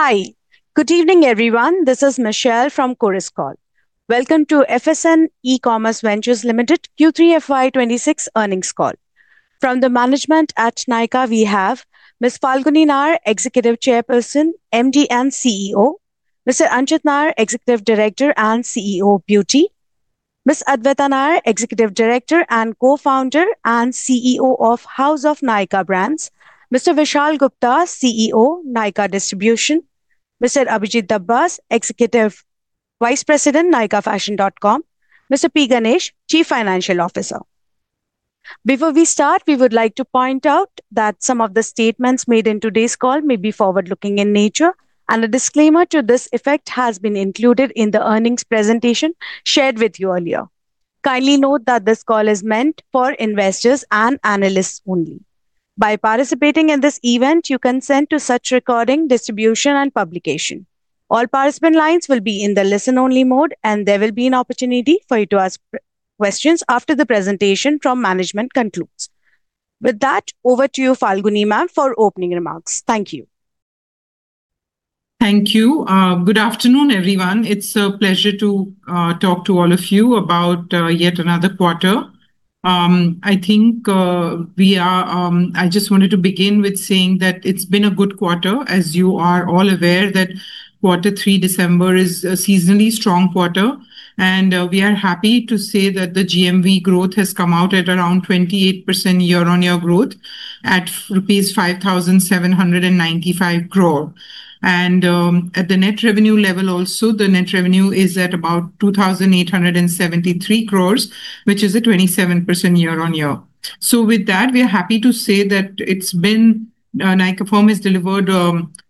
Hi. Good evening, everyone. This is Michelle from Chorus Call. Welcome to FSN E-Commerce Ventures Limited Q3 FY 2026 Earnings Call. From the management at Nykaa, we have Ms. Falguni Nayar, Executive Chairperson, MD, and CEO. Mr. Anchit Nayar, Executive Director and CEO, Beauty. Ms. Adwaita Nayar, Executive Director and Co-founder and CEO of House of Nykaa Brands. Mr. Vishal Gupta, CEO, Nykaa Distribution. Mr. Abhijit Dabas, Executive Vice President, Nykaa Fashion. Mr. P. Ganesh, Chief Financial Officer. Before we start, we would like to point out that some of the statements made in today's call may be forward-looking in nature, and a disclaimer to this effect has been included in the earnings presentation shared with you earlier. Kindly note that this call is meant for investors and analysts only. By participating in this event, you consent to such recording, distribution, and publication. All participant lines will be in the listen-only mode, and there will be an opportunity for you to ask questions after the presentation from management concludes. With that, over to you, Falguni ma'am, for opening remarks. Thank you. Thank you. Good afternoon, everyone. It's a pleasure to talk to all of you about yet another quarter. I just wanted to begin with saying that it's been a good quarter. As you are all aware, that quarter three December is a seasonally strong quarter, and we are happy to say that the GMV growth has come out at around 28% year-on-year growth at rupees 5,795 crore. At the net revenue level also, the net revenue is at about 2,873 crore, which is a 27% year-on-year. So with that, we are happy to say that it's been Nykaa firm has delivered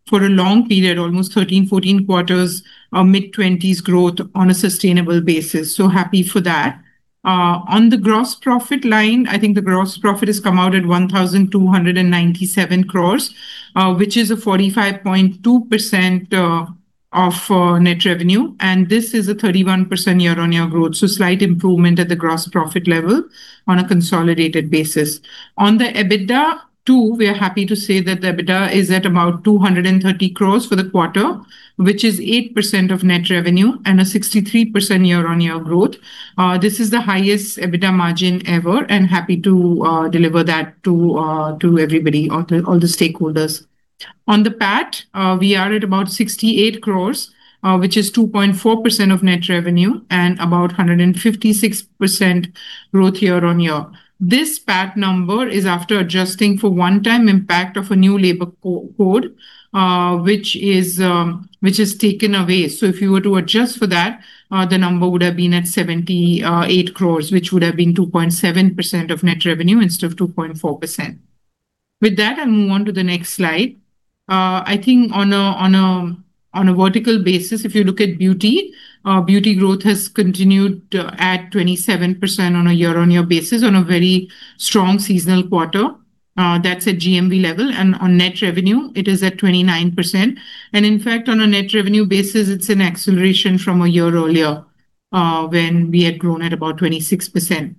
for a long period, almost 13, 14 quarters, a mid-20s growth on a sustainable basis, so happy for that. On the gross profit line, I think the gross profit has come out at 1,297 crore, which is a 45.2% of net revenue, and this is a 31% year-on-year growth, so slight improvement at the gross profit level on a consolidated basis. On the EBITDA, too, we are happy to say that the EBITDA is at about 230 crore for the quarter, which is 8% of net revenue and a 63% year-on-year growth. This is the highest EBITDA margin ever, and happy to deliver that to everybody, all the stakeholders. On the PAT, we are at about 68 crore, which is 2.4% of net revenue and about 156% growth year-on-year. This PAT number is after adjusting for one-time impact of a new labor code, which is taken away. So if you were to adjust for that, the number would have been at 78 crore, which would have been 2.7% of net revenue, instead of 2.4%. With that, I move on to the next slide. I think on a vertical basis, if you look at beauty, beauty growth has continued, at 27% on a year-on-year basis on a very strong seasonal quarter. That's at GMV level, and on net revenue it is at 29%. And in fact, on a net revenue basis, it's an acceleration from a year earlier, when we had grown at about 26%.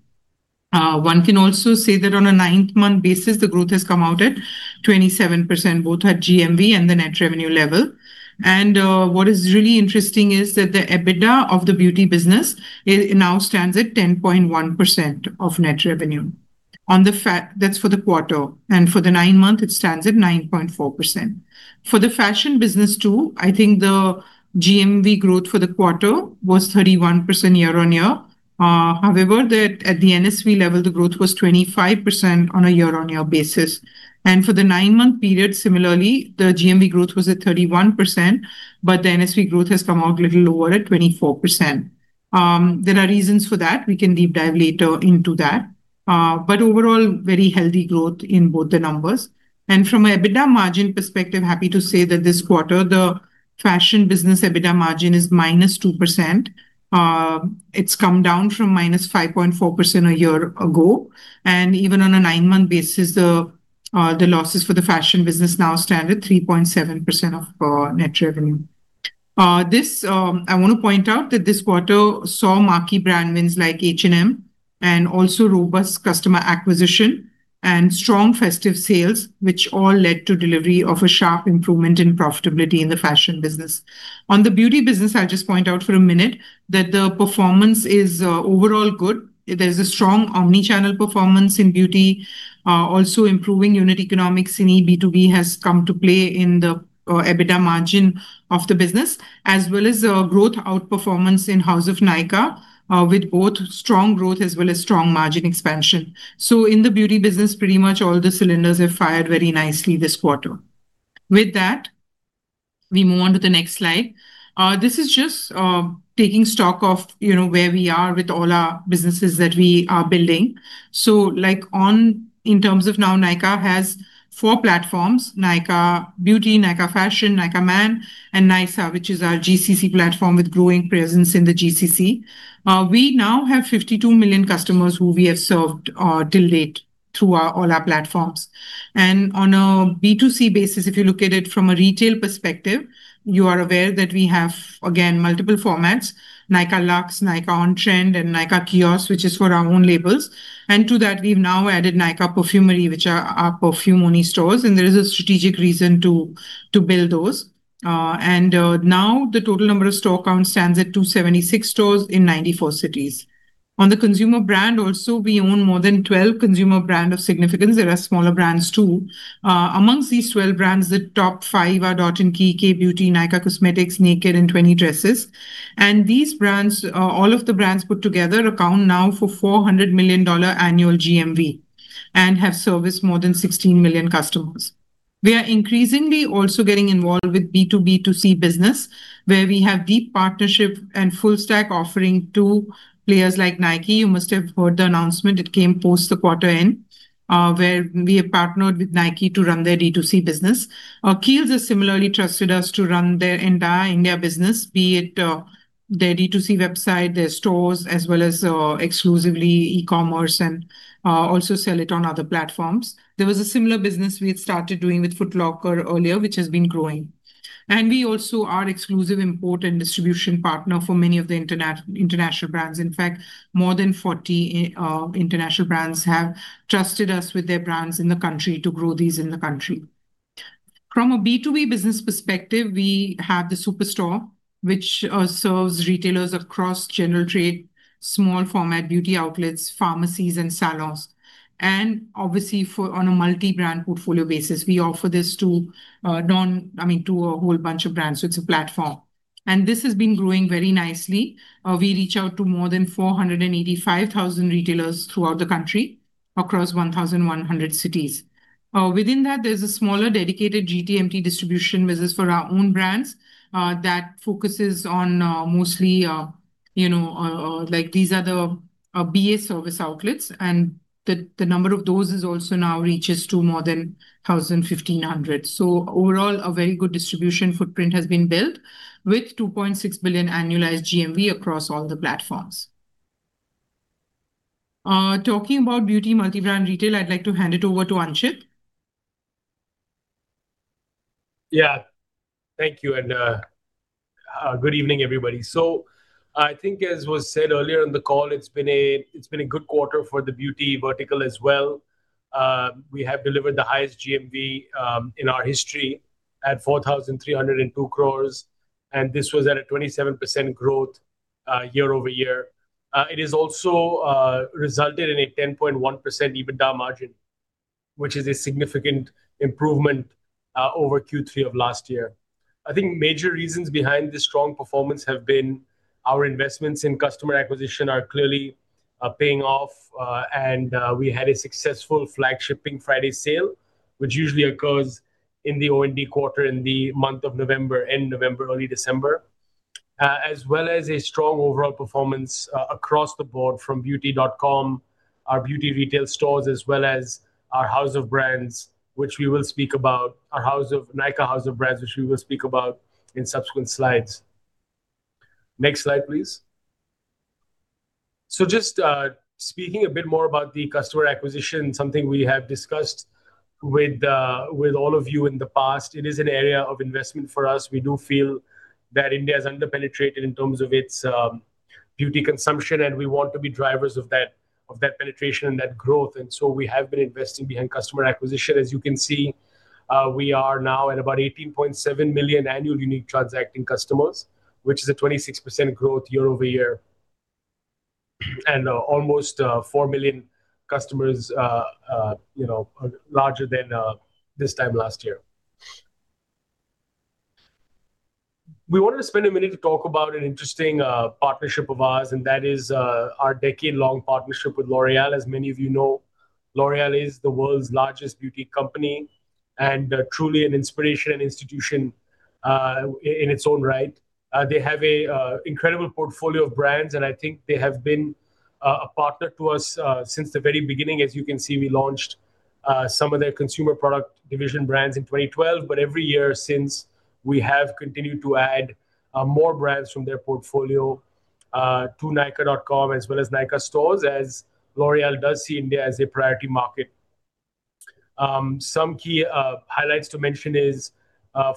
One can also say that on a nine-month basis, the growth has come out at 27%, both at GMV and the net revenue level. What is really interesting is that the EBITDA of the beauty business, it now stands at 10.1% of net revenue. That's for the quarter, and for the nine months, it stands at 9.4%. For the fashion business, too, I think the GMV growth for the quarter was 31% year-on-year. However, at the NSV level, the growth was 25% on a year-on-year basis. For the nine-month period, similarly, the GMV growth was at 31%, but the NSV growth has come out a little lower at 24%. There are reasons for that. We can deep dive later into that. But overall, very healthy growth in both the numbers. And from an EBITDA margin perspective, happy to say that this quarter, the fashion business EBITDA margin is -2%. It's come down from -5.4% a year ago, and even on a 9-month basis, the, the losses for the fashion business now stand at 3.7% of, net revenue. This, I want to point out that this quarter saw marquee brand wins like H&M, and also robust customer acquisition and strong festive sales, which all led to delivery of a sharp improvement in profitability in the fashion business. On the beauty business, I'll just point out for a minute that the performance is, overall good. There's a strong omni-channel performance in beauty. Also improving unit economics in B2B has come to play in the EBITDA margin of the business, as well as growth outperformance in House of Nykaa with both strong growth as well as strong margin expansion. So in the beauty business, pretty much all the cylinders have fired very nicely this quarter. With that, we move on to the next slide. This is just taking stock of, you know, where we are with all our businesses that we are building. So like in terms of now, Nykaa has four platforms: Nykaa Beauty, Nykaa Fashion, Nykaa Man, and Nysaa, which is our GCC platform with growing presence in the GCC. We now have 52 million customers who we have served till date through all our platforms. On a B2C basis, if you look at it from a retail perspective, you are aware that we have, again, multiple formats: Nykaa Luxe, Nykaa On Trend, and Nykaa Kiosk, which is for our own labels. And to that, we've now added Nykaa Perfumery, which are our perfume-only stores, and there is a strategic reason to build those, and now the total number of store count stands at 276 stores in 94 cities. On the consumer brand also, we own more than 12 consumer brand of significance. There are smaller brands, too. Amongst these 12 brands, the top five are Dot & Key, Kay Beauty, Nykaa Cosmetics, Nykd, and Twenty Dresses. And these brands, all of the brands put together account now for $400 million annual GMV, and have serviced more than 16 million customers. We are increasingly also getting involved with B2B2C business, where we have deep partnership and full stack offering to players like Nike. You must have heard the announcement; it came post the quarter end, where we have partnered with Nike to run their D2C business. Kiehl's has similarly trusted us to run their entire India business, be it their D2C website, their stores, as well as exclusively e-commerce, and also sell it on other platforms. There was a similar business we had started doing with Foot Locker earlier, which has been growing. And we also are exclusive import and distribution partner for many of the international brands. In fact, more than 40 international brands have trusted us with their brands in the country to grow these in the country. From a B2B business perspective, we have the Superstore, which serves retailers across general trade, small format beauty outlets, pharmacies, and salons. Obviously, for on a multi-brand portfolio basis, we offer this to, I mean, to a whole bunch of brands, so it's a platform. This has been growing very nicely. We reach out to more than 485,000 retailers throughout the country, across 1,100 cities. Within that, there's a smaller, dedicated GT/MT distribution business for our own brands, that focuses on, mostly, you know, like these are the, BA service outlets, and the number of those is also now reaches to more than 1,500. So overall, a very good distribution footprint has been built, with 2.6 billion annualized GMV across all the platforms. Talking about beauty multi-brand retail, I'd like to hand it over to Anchit. Yeah. Thank you, and good evening, everybody. So I think as was said earlier in the call, it's been a good quarter for the beauty vertical as well. We have delivered the highest GMV in our history at 4,302 crore, and this was at a 27% growth year-over-year. It has also resulted in a 10.1% EBITDA margin, which is a significant improvement over Q3 of last year. I think major reasons behind this strong performance have been our investments in customer acquisition are clearly paying off, and we had a successful Black Friday sale, which usually occurs in the OND quarter, in the month of November, end November, early December. As well as a strong overall performance, across the board from Beauty.com, our beauty retail stores, as well as our House of Brands, which we will speak about... Our House of Nykaa, House of Brands, which we will speak about in subsequent slides. Next slide, please. So just, speaking a bit more about the customer acquisition, something we have discussed with, with all of you in the past. It is an area of investment for us. We do feel that India is under-penetrated in terms of its, beauty consumption, and we want to be drivers of that, of that penetration and that growth, and so we have been investing behind customer acquisition. As you can see, we are now at about 18.7 million annual unique transacting customers, which is a 26% growth year-over-year, and almost 4 million customers, you know, larger than this time last year. We wanted to spend a minute to talk about an interesting partnership of ours, and that is our decade-long partnership with L'Oréal. As many of you know, L'Oréal is the world's largest beauty company and truly an inspiration and institution in its own right. They have an incredible portfolio of brands, and I think they have been a partner to us since the very beginning. As you can see, we launched some of their consumer product division brands in 2012, but every year since, we have continued to add more brands from their portfolio to Nykaa.com, as well as Nykaa stores, as L'Oréal does see India as a priority market. Some key highlights to mention is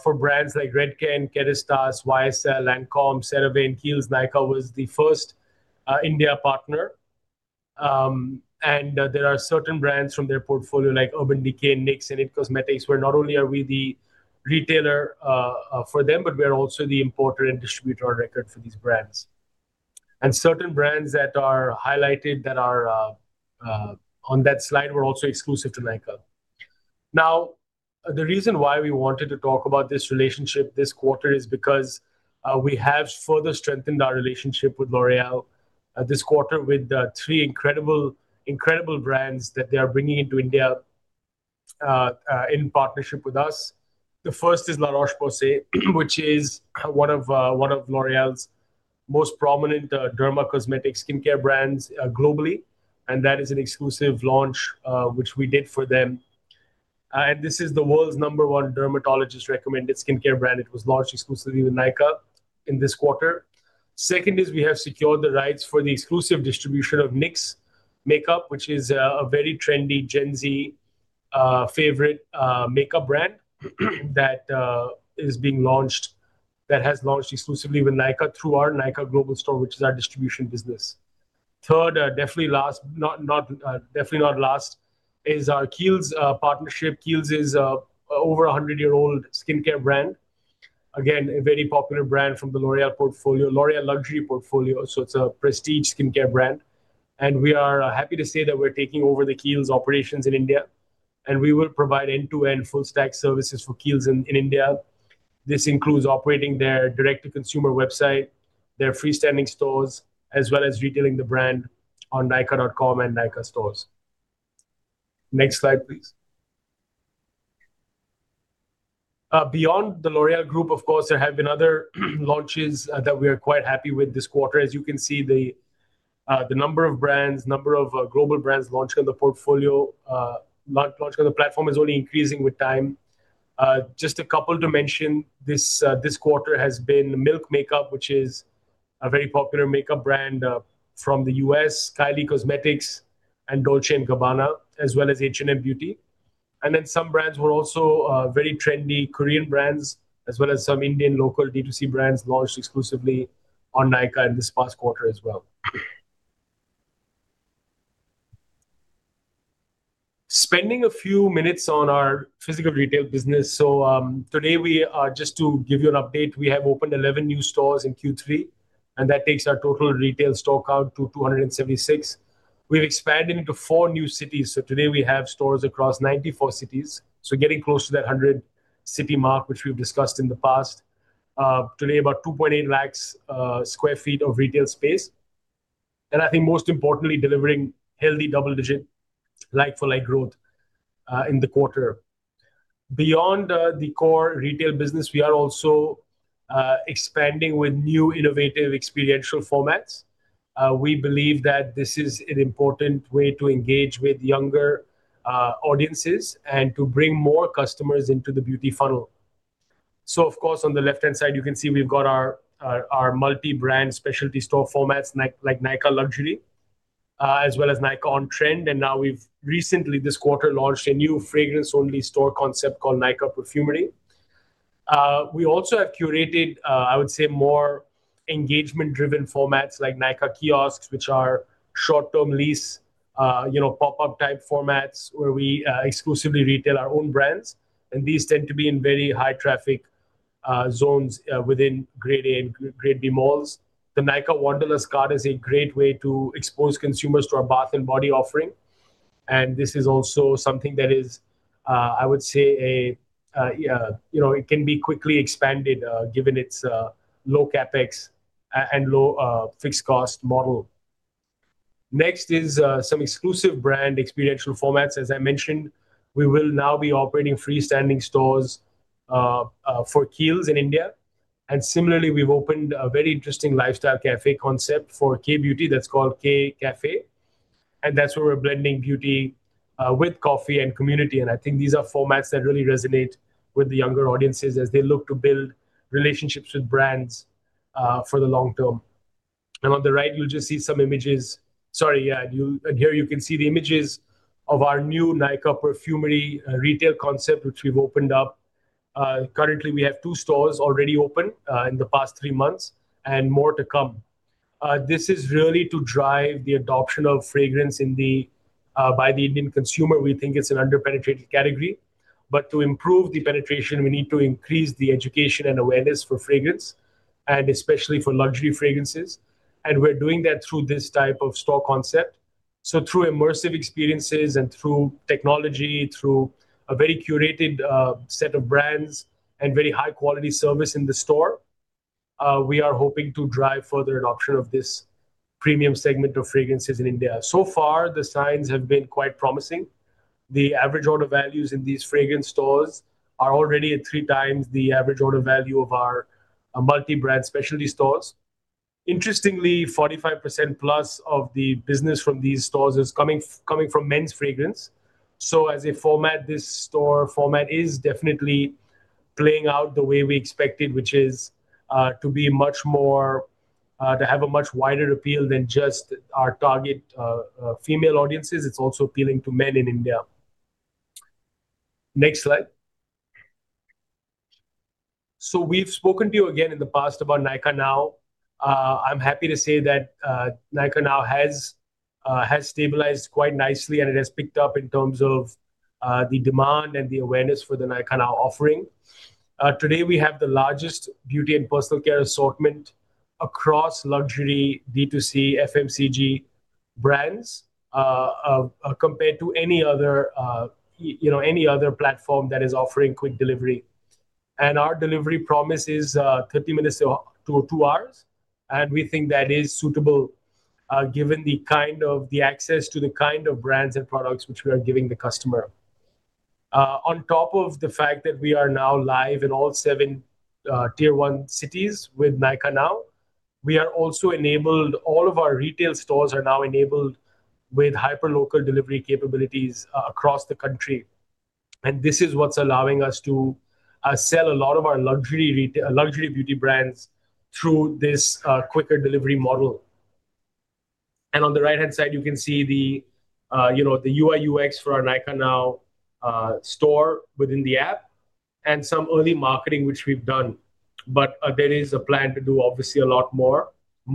for brands like Redken, Kérastase, YSL, Lancôme, CeraVe, and Kiehl's, Nykaa was the first India partner. And there are certain brands from their portfolio, like Urban Decay, NYX, and IT Cosmetics, where not only are we the retailer for them, but we're also the importer and distributor on record for these brands. And certain brands that are highlighted that are on that slide were also exclusive to Nykaa. Now, the reason why we wanted to talk about this relationship this quarter is because, we have further strengthened our relationship with L'Oréal, this quarter, with, three incredible, incredible brands that they are bringing into India, in partnership with us. The first is La Roche-Posay, which is one of, one of L'Oréal's most prominent, derma cosmetic skincare brands, globally, and that is an exclusive launch, which we did for them. And this is the world's number one dermatologist-recommended skincare brand. It was launched exclusively with Nykaa in this quarter. Second is we have secured the rights for the exclusive distribution of NYX makeup, which is, a very trendy Gen Z, favorite, makeup brand, that, is being launched-- that has launched exclusively with Nykaa through our Nykaa Global Store, which is our distribution business. Third, definitely not last, is our Kiehl's partnership. Kiehl's is over 100-year-old skincare brand. Again, a very popular brand from the L'Oréal portfolio, L'Oréal luxury portfolio, so it's a prestige skincare brand. We are happy to say that we're taking over the Kiehl's operations in India, and we will provide end-to-end full stack services for Kiehl's in India. This includes operating their direct-to-consumer website, their freestanding stores, as well as retailing the brand on Nykaa.com and Nykaa stores. Next slide, please. Beyond the L'Oréal Group, of course, there have been other launches that we are quite happy with this quarter. As you can see, the number of brands, number of global brands launched on the portfolio, launched on the platform is only increasing with time. Just a couple to mention this, this quarter has been Milk Makeup, which is a very popular makeup brand, from the U.S., Kylie Cosmetics and Dolce & Gabbana, as well as H&M Beauty. And then some brands were also, very trendy Korean brands, as well as some Indian local D2C brands launched exclusively on Nykaa in this past quarter as well. Spending a few minutes on our physical retail business. So, today, just to give you an update, we have opened 11 new stores in Q3, and that takes our total retail store count to 276. We've expanded into 4 new cities, so today we have stores across 94 cities. So getting close to that 100-city mark, which we've discussed in the past. Today, about 2.8 lakhs sq ft of retail space, and I think most importantly, delivering healthy double-digit like-for-like growth in the quarter. Beyond the core retail business, we are also expanding with new, innovative, experiential formats. We believe that this is an important way to engage with younger audiences and to bring more customers into the beauty funnel. So, of course, on the left-hand side, you can see we've got our multi-brand specialty store formats, like Nykaa Luxe, as well as Nykaa On Trend. And now we've recently, this quarter, launched a new fragrance-only store concept called Nykaa Perfumery. We also have curated, I would say, more engagement-driven formats like Nykaa Kiosks, which are short-term lease, you know, pop-up type formats, where we exclusively retail our own brands, and these tend to be in very high traffic zones within Grade A and Grade B malls. The Nykaa Wanderlust Cart is a great way to expose consumers to our bath and body offering, and this is also something that is, I would say, you know, it can be quickly expanded given its low CapEx and low fixed cost model. Next is some exclusive brand experiential formats. As I mentioned, we will now be operating freestanding stores for Kiehl's in India. And similarly, we've opened a very interesting lifestyle cafe concept for Kay Beauty that's called Kay Cafe, and that's where we're blending beauty, with coffee and community. And I think these are formats that really resonate with the younger audiences as they look to build relationships with brands, for the long term. And on the right, you'll just see some images... And here you can see the images of our new Nykaa Perfumery, retail concept, which we've opened up. Currently, we have two stores already open, in the past three months, and more to come. This is really to drive the adoption of fragrance in the, by the Indian consumer. We think it's an under-penetrated category. But to improve the penetration, we need to increase the education and awareness for fragrance, and especially for luxury fragrances. We're doing that through this type of store concept. So through immersive experiences and through technology, through a very curated set of brands and very high-quality service in the store, we are hoping to drive further adoption of this premium segment of fragrances in India. So far, the signs have been quite promising. The average order values in these fragrance stores are already at 3 times the average order value of our multi-brand specialty stores. Interestingly, 45% plus of the business from these stores is coming from men's fragrance. So as a format, this store format is definitely playing out the way we expected, which is to be much more to have a much wider appeal than just our target female audiences. It's also appealing to men in India. Next slide. So we've spoken to you again in the past about Nykaa Now. I'm happy to say that Nykaa Now has stabilized quite nicely, and it has picked up in terms of the demand and the awareness for the Nykaa Now offering. Today, we have the largest beauty and personal care assortment across luxury D2C FMCG brands, compared to any other, you know, any other platform that is offering quick delivery. Our delivery promise is 30 minutes to 2 hours, and we think that is suitable, given the kind of the access to the kind of brands and products which we are giving the customer. On top of the fact that we are now live in all seven tier-one cities with Nykaa Now, we are also enabled. All of our retail stores are now enabled with hyper local delivery capabilities across the country. And this is what's allowing us to sell a lot of our luxury beauty brands through this quicker delivery model. And on the right-hand side, you can see the, you know, the UI/UX for our Nykaa Now store within the app... and some early marketing, which we've done. But, there is a plan to do, obviously, a lot more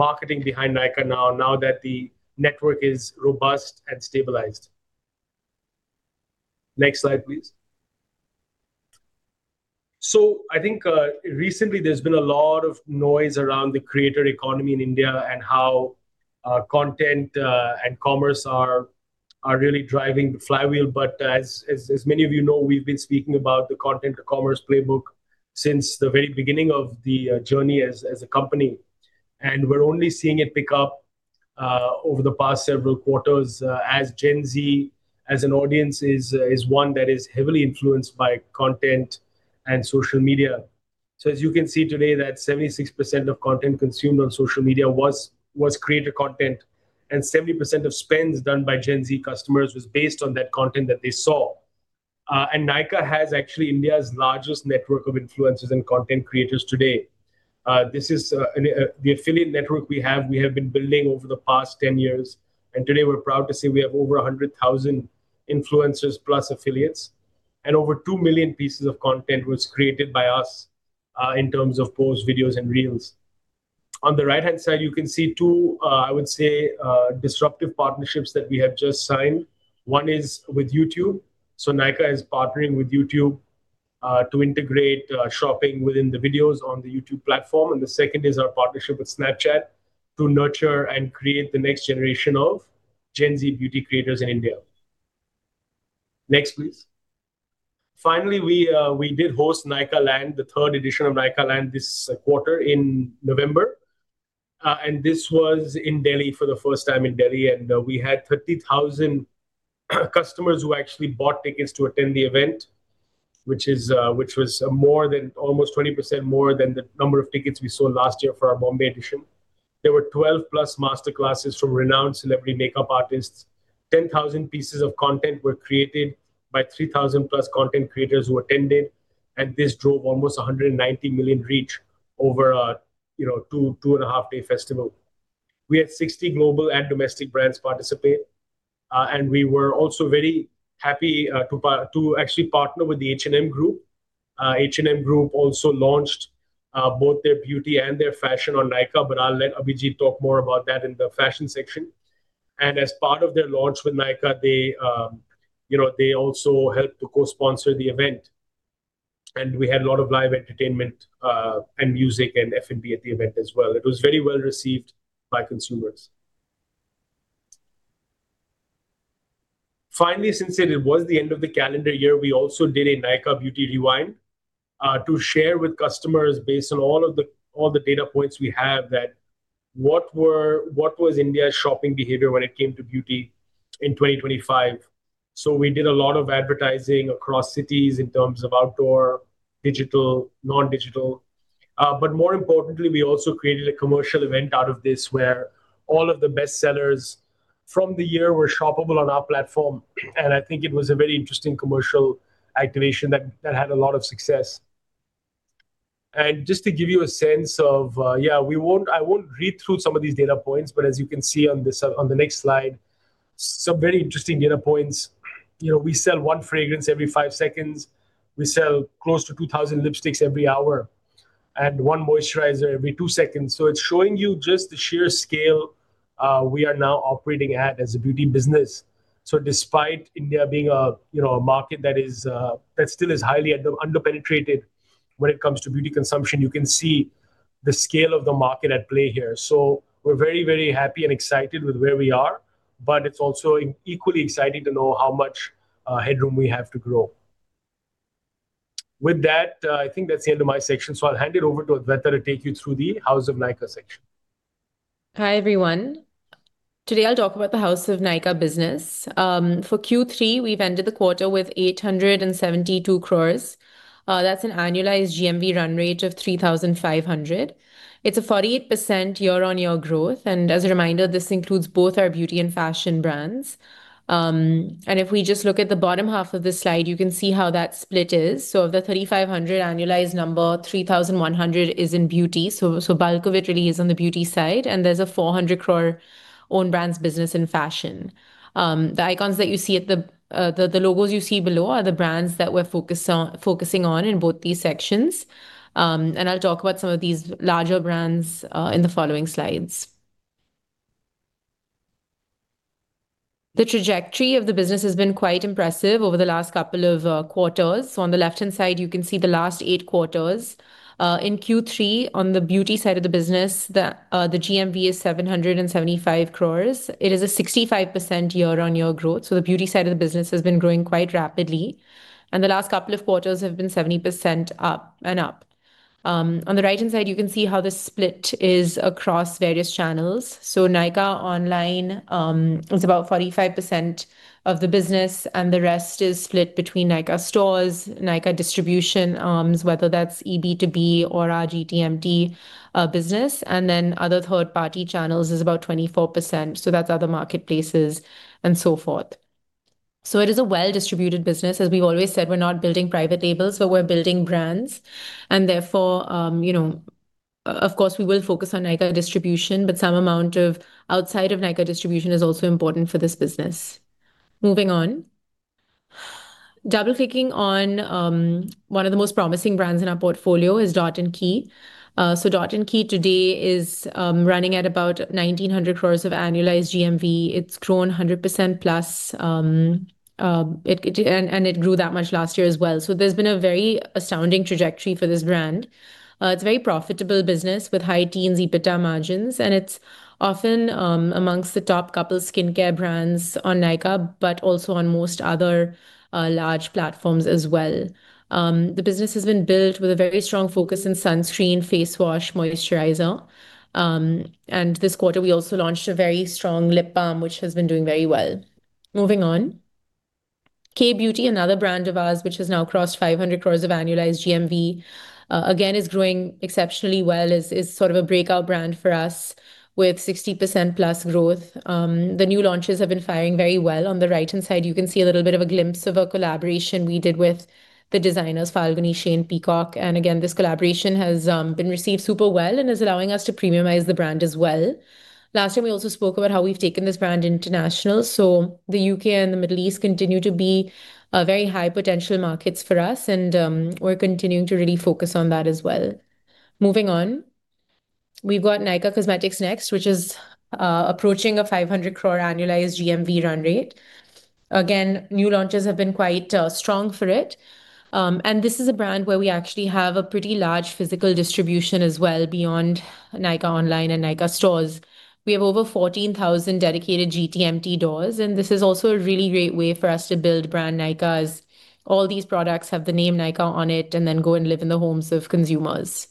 marketing behind Nykaa Now, now that the network is robust and stabilized. Next slide, please. So I think, recently there's been a lot of noise around the creator economy in India and how, content and commerce are really driving the flywheel. But as many of you know, we've been speaking about the content to commerce playbook since the very beginning of the journey as a company. And we're only seeing it pick up over the past several quarters as Gen Z, as an audience, is one that is heavily influenced by content and social media. So as you can see today, 76% of content consumed on social media was creator content, and 70% of spends done by Gen Z customers was based on that content that they saw. And Nykaa has actually India's largest network of influencers and content creators today. This is the affiliate network we have, we have been building over the past 10 years, and today we're proud to say we have over 100,000 influencers plus affiliates, and over 2 million pieces of content was created by us in terms of posts, videos, and reels. On the right-hand side, you can see two, I would say, disruptive partnerships that we have just signed. One is with YouTube. So Nykaa is partnering with YouTube to integrate shopping within the videos on the YouTube platform. And the second is our partnership with Snapchat to nurture and create the next generation of Gen Z beauty creators in India. Next, please. Finally, we, we did host Nykaaland, the third edition of Nykaaland, this quarter in November. This was in Delhi, for the first time in Delhi, and we had 30,000 customers who actually bought tickets to attend the event, which was more than almost 20% more than the number of tickets we sold last year for our Bombay edition. There were 12+ master classes from renowned celebrity makeup artists. 10,000 pieces of content were created by 3,000+ content creators who attended, and this drove almost 190 million reach over a, you know, 2, 2.5-day festival. We had 60 global and domestic brands participate, and we were also very happy to actually partner with the H&M group. H&M group also launched both their beauty and their fashion on Nykaa, but I'll let Abhijit talk more about that in the fashion section. As part of their launch with Nykaa, they, you know, they also helped to co-sponsor the event. We had a lot of live entertainment, and music, and F&B at the event as well. It was very well-received by consumers. Finally, since it was the end of the calendar year, we also did a Nykaa Beauty Rewind, to share with customers, based on all of the, all the data points we have, that what was India's shopping behavior when it came to beauty in 2025? We did a lot of advertising across cities in terms of outdoor, digital, non-digital. But more importantly, we also created a commercial event out of this, where all of the bestsellers from the year were shoppable on our platform, and I think it was a very interesting commercial activation that had a lot of success. Just to give you a sense of, we won't—I won't read through some of these data points, but as you can see on the next slide, some very interesting data points. You know, we sell 1 fragrance every 5 seconds. We sell close to 2,000 lipsticks every hour, and 1 moisturizer every 2 seconds. So it's showing you just the sheer scale we are now operating at as a beauty business. So despite India being a, you know, a market that is that still is highly under-penetrated when it comes to beauty consumption, you can see the scale of the market at play here. So we're very, very happy and excited with where we are, but it's also equally exciting to know how much headroom we have to grow. With that, I think that's the end of my section, so I'll hand it over to Adwaita to take you through the House of Nykaa section. Hi, everyone. Today, I'll talk about the House of Nykaa business. For Q3, we've ended the quarter with 872 crore. That's an annualized GMV run rate of 3,500 crore. It's a 48% year-on-year growth, and as a reminder, this includes both our beauty and fashion brands. And if we just look at the bottom half of this slide, you can see how that split is. So of the 3,500 annualized number, 3,100 is in beauty. So bulk of it really is on the beauty side, and there's a 400 crore own brands business in fashion. The icons that you see, the logos you see below are the brands that we're focusing on in both these sections. And I'll talk about some of these larger brands in the following slides. The trajectory of the business has been quite impressive over the last couple of quarters. On the left-hand side, you can see the last 8 quarters. In Q3, on the beauty side of the business, the GMV is 775 crore. It is a 65% year-on-year growth, so the beauty side of the business has been growing quite rapidly, and the last couple of quarters have been 70% up and up. On the right-hand side, you can see how the split is across various channels. So Nykaa online is about 45% of the business, and the rest is split between Nykaa stores, Nykaa distribution arms, whether that's eB2B or our GT/MT business, and then other third-party channels is about 24%, so that's other marketplaces and so forth. So it is a well-distributed business. As we've always said, we're not building private labels, but we're building brands, and therefore, of course, we will focus on Nykaa distribution, but some amount of outside of Nykaa distribution is also important for this business. Moving on. Double-clicking on one of the most promising brands in our portfolio is Dot & Key. So Dot & Key today is running at about 1,900 crores of annualized GMV. It's grown 100%+, and it grew that much last year as well. So there's been a very astounding trajectory for this brand. It's a very profitable business with high teens EBITDA margins, and it's often amongst the top couple skincare brands on Nykaa, but also on most other large platforms as well. The business has been built with a very strong focus in sunscreen, face wash, moisturizer. This quarter, we also launched a very strong lip balm, which has been doing very well. Moving on. Kay Beauty, another brand of ours, which has now crossed 500 crore of annualized GMV, again, is growing exceptionally well, is sort of a breakout brand for us with 60%+ growth. The new launches have been firing very well. On the right-hand side, you can see a little bit of a glimpse of a collaboration we did with the designers Falguni Shane Peacock, and again, this collaboration has been received super well and is allowing us to premiumize the brand as well. Last time, we also spoke about how we've taken this brand international, so the U.K. and the Middle East continue to be very high potential markets for us, and we're continuing to really focus on that as well. Moving on. We've got Nykaa Cosmetics next, which is approaching a 500 crore annualized GMV run rate. Again, new launches have been quite strong for it. And this is a brand where we actually have a pretty large physical distribution as well beyond Nykaa online and Nykaa stores. We have over 14,000 dedicated GT/MT doors, and this is also a really great way for us to build brand Nykaa, as all these products have the name Nykaa on it, and then go and live in the homes of consumers.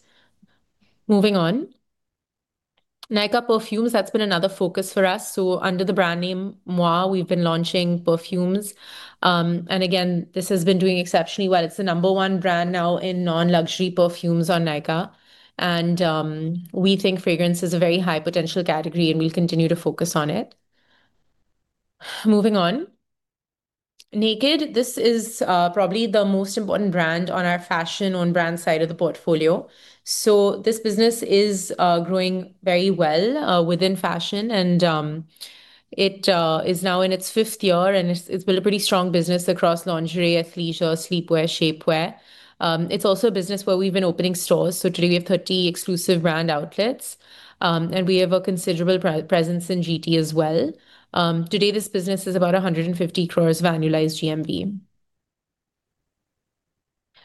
Moving on. Nykaa Perfumes, that's been another focus for us. So under the brand name Moi, we've been launching perfumes. And again, this has been doing exceptionally well. It's the number one brand now in non-luxury perfumes on Nykaa, and, we think fragrance is a very high potential category, and we'll continue to focus on it. Moving on. NAKD, this is, probably the most important brand on our fashion own brand side of the portfolio. So this business is growing very well within fashion, and it is now in its fifth year, and it's built a pretty strong business across lingerie, athleisure, sleepwear, shapewear. It's also a business where we've been opening stores, so today we have 30 exclusive brand outlets, and we have a considerable presence in GT as well. Today, this business is about 150 crores of annualized GMV.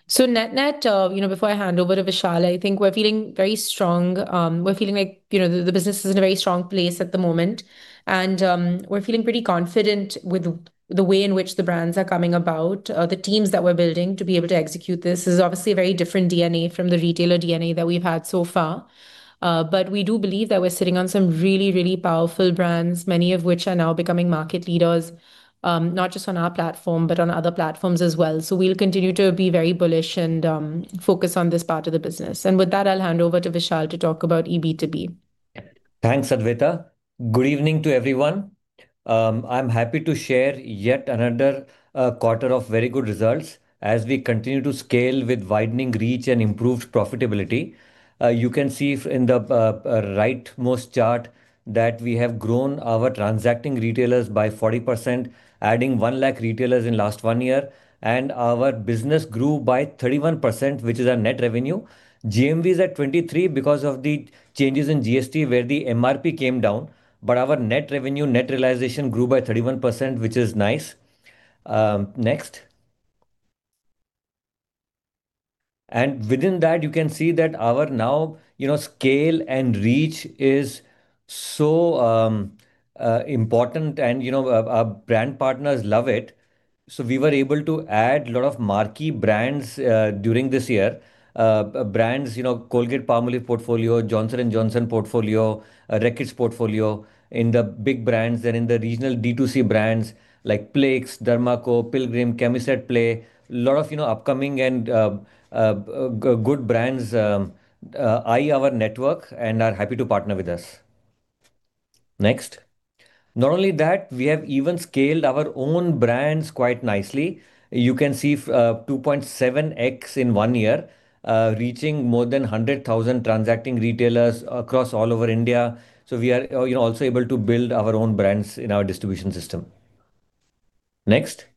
So net-net, you know, before I hand over to Vishal, I think we're feeling very strong. We're feeling like, you know, the business is in a very strong place at the moment, and we're feeling pretty confident with the way in which the brands are coming about. The teams that we're building to be able to execute this is obviously a very different DNA from the retailer DNA that we've had so far. But we do believe that we're sitting on some really, really powerful brands, many of which are now becoming market leaders, not just on our platform, but on other platforms as well. So we'll continue to be very bullish and focus on this part of the business. And with that, I'll hand over to Vishal to talk about EB2B. Thanks, Adwaita. Good evening to everyone. I'm happy to share yet another quarter of very good results as we continue to scale with widening reach and improved profitability. You can see in the right-most chart that we have grown our transacting retailers by 40%, adding 100,000 retailers in last one year, and our business grew by 31%, which is our net revenue. GMV is at 23% because of the changes in GST, where the MRP came down, but our net revenue, net realization grew by 31%, which is nice. Next. Within that, you can see that our Nykaa Now, you know, scale and reach is so important, and, you know, our brand partners love it. So we were able to add a lot of marquee brands during this year. Brands, you know, Colgate-Palmolive portfolio, Johnson & Johnson portfolio, Reckitt's portfolio in the big brands and in the regional D2C brands like Plix, The Derma Co., Pilgrim, Chemist at Play. A lot of, you know, upcoming and good brands vie for our network and are happy to partner with us. Next. Not only that, we have even scaled our own brands quite nicely. You can see 2.7x in one year, reaching more than 100,000 transacting retailers across all over India. So we are, you know, also able to build our own brands in our distribution system. Next.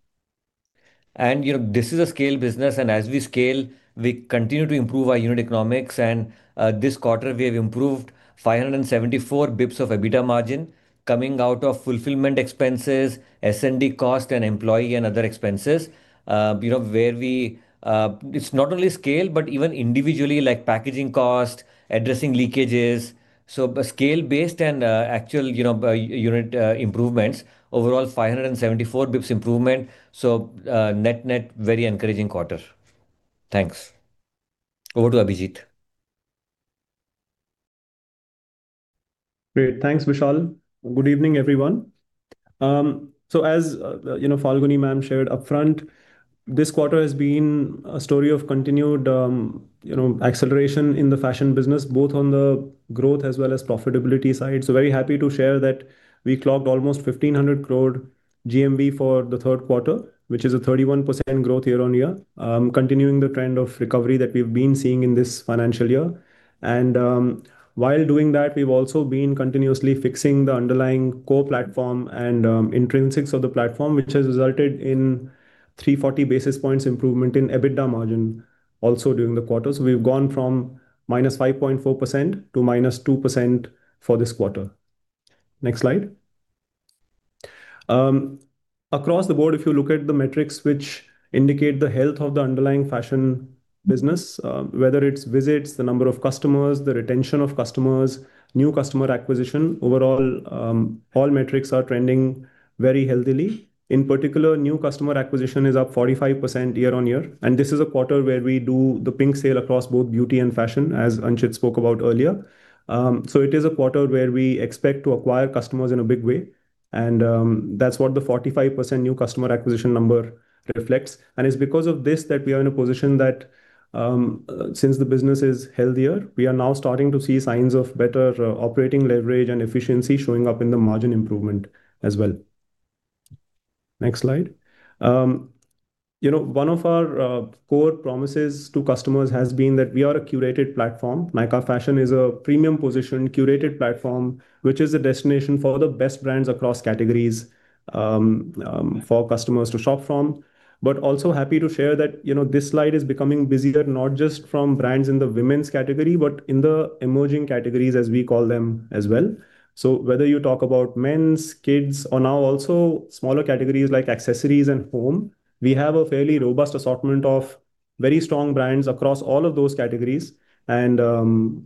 You know, this is a scale business, and as we scale, we continue to improve our unit economics, and this quarter, we have improved 574 basis points of EBITDA margin coming out of fulfillment expenses, S&D cost, and employee and other expenses. You know, it's not only scale, but even individually, like packaging cost, addressing leakages. So by scale-based and actual, you know, unit improvements, overall 574 basis points improvement. So, net-net, very encouraging quarter. Thanks. Over to Abhijit. Great. Thanks, Vishal. Good evening, everyone. So as you know, Falguni ma'am shared upfront, this quarter has been a story of continued acceleration in the fashion business, both on the growth as well as profitability side. So very happy to share that we clocked almost 1,500 crore GMV for the third quarter, which is a 31% growth year-on-year, continuing the trend of recovery that we've been seeing in this financial year. While doing that, we've also been continuously fixing the underlying core platform and intrinsics of the platform, which has resulted in 340 basis points improvement in EBITDA margin also during the quarter. So we've gone from -5.4% to -2% for this quarter. Next slide. Across the board, if you look at the metrics which indicate the health of the underlying fashion business, whether it's visits, the number of customers, the retention of customers, new customer acquisition, overall, all metrics are trending very healthily. In particular, new customer acquisition is up 45% year-on-year, and this is a quarter where we do the Pink Sale across both beauty and fashion, as Anchit spoke about earlier. So it is a quarter where we expect to acquire customers in a big way, and that's what the 45% new customer acquisition number reflects. It's because of this that we are in a position that, since the business is healthier, we are now starting to see signs of better operating leverage and efficiency showing up in the margin improvement as well. Next slide. You know, one of our core promises to customers has been that we are a curated platform. Nykaa Fashion is a premium-positioned curated platform, which is a destination for the best brands across categories for customers to shop from. But also happy to share that, you know, this slide is becoming busier, not just from brands in the women's category, but in the emerging categories, as we call them, as well. So whether you talk about men's, kids, or now also smaller categories like accessories and home, we have a fairly robust assortment of very strong brands across all of those categories. And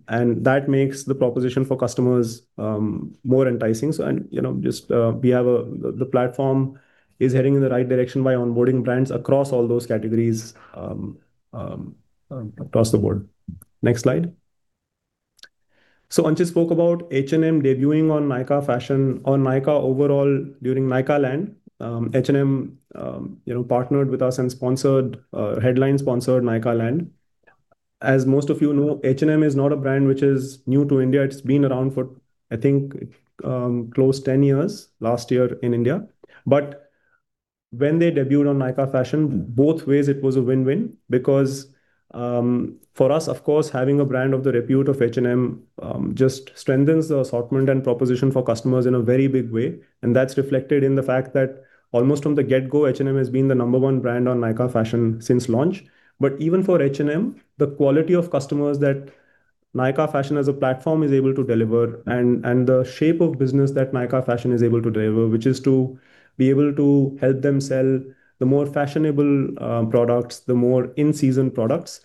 that makes the proposition for customers more enticing. So, you know, just, the platform is heading in the right direction by onboarding brands across all those categories across the board. Next slide. So Anchit spoke about H&M debuting on Nykaa Fashion, on Nykaa overall, during Nykaaland. H&M, you know, partnered with us and sponsored, headline sponsored Nykaaland. As most of you know, H&M is not a brand which is new to India. It's been around for, I think, close to 10 years last year in India. But when they debuted on Nykaa Fashion, both ways it was a win-win because, for us, of course, having a brand of the repute of H&M, just strengthens the assortment and proposition for customers in a very big way, and that's reflected in the fact that almost from the get-go, H&M has been the number one brand on Nykaa Fashion since launch. But even for H&M, the quality of customers that Nykaa Fashion as a platform is able to deliver and the shape of business that Nykaa Fashion is able to deliver, which is to be able to help them sell the more fashionable, products, the more in-season products.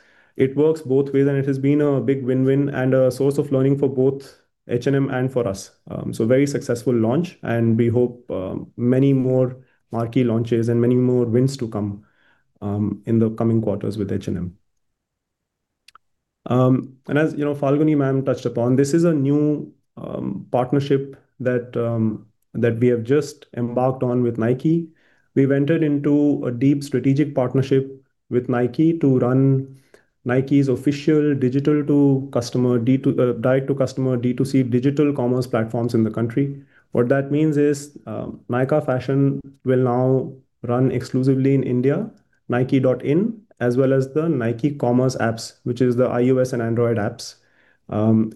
It works both ways, and it has been a big win-win and a source of learning for both H&M and for us. So a very successful launch, and we hope many more marquee launches and many more wins to come in the coming quarters with H&M. And as you know, Falguni ma'am touched upon, this is a new partnership that we have just embarked on with Nike. We've entered into a deep strategic partnership with Nike to run Nike's official digital-to-customer, D2, direct-to-customer, D2C, digital commerce platforms in the country. What that means is, Nykaa Fashion will now run exclusively in India, nike.in, as well as the Nike commerce apps, which is the iOS and Android apps.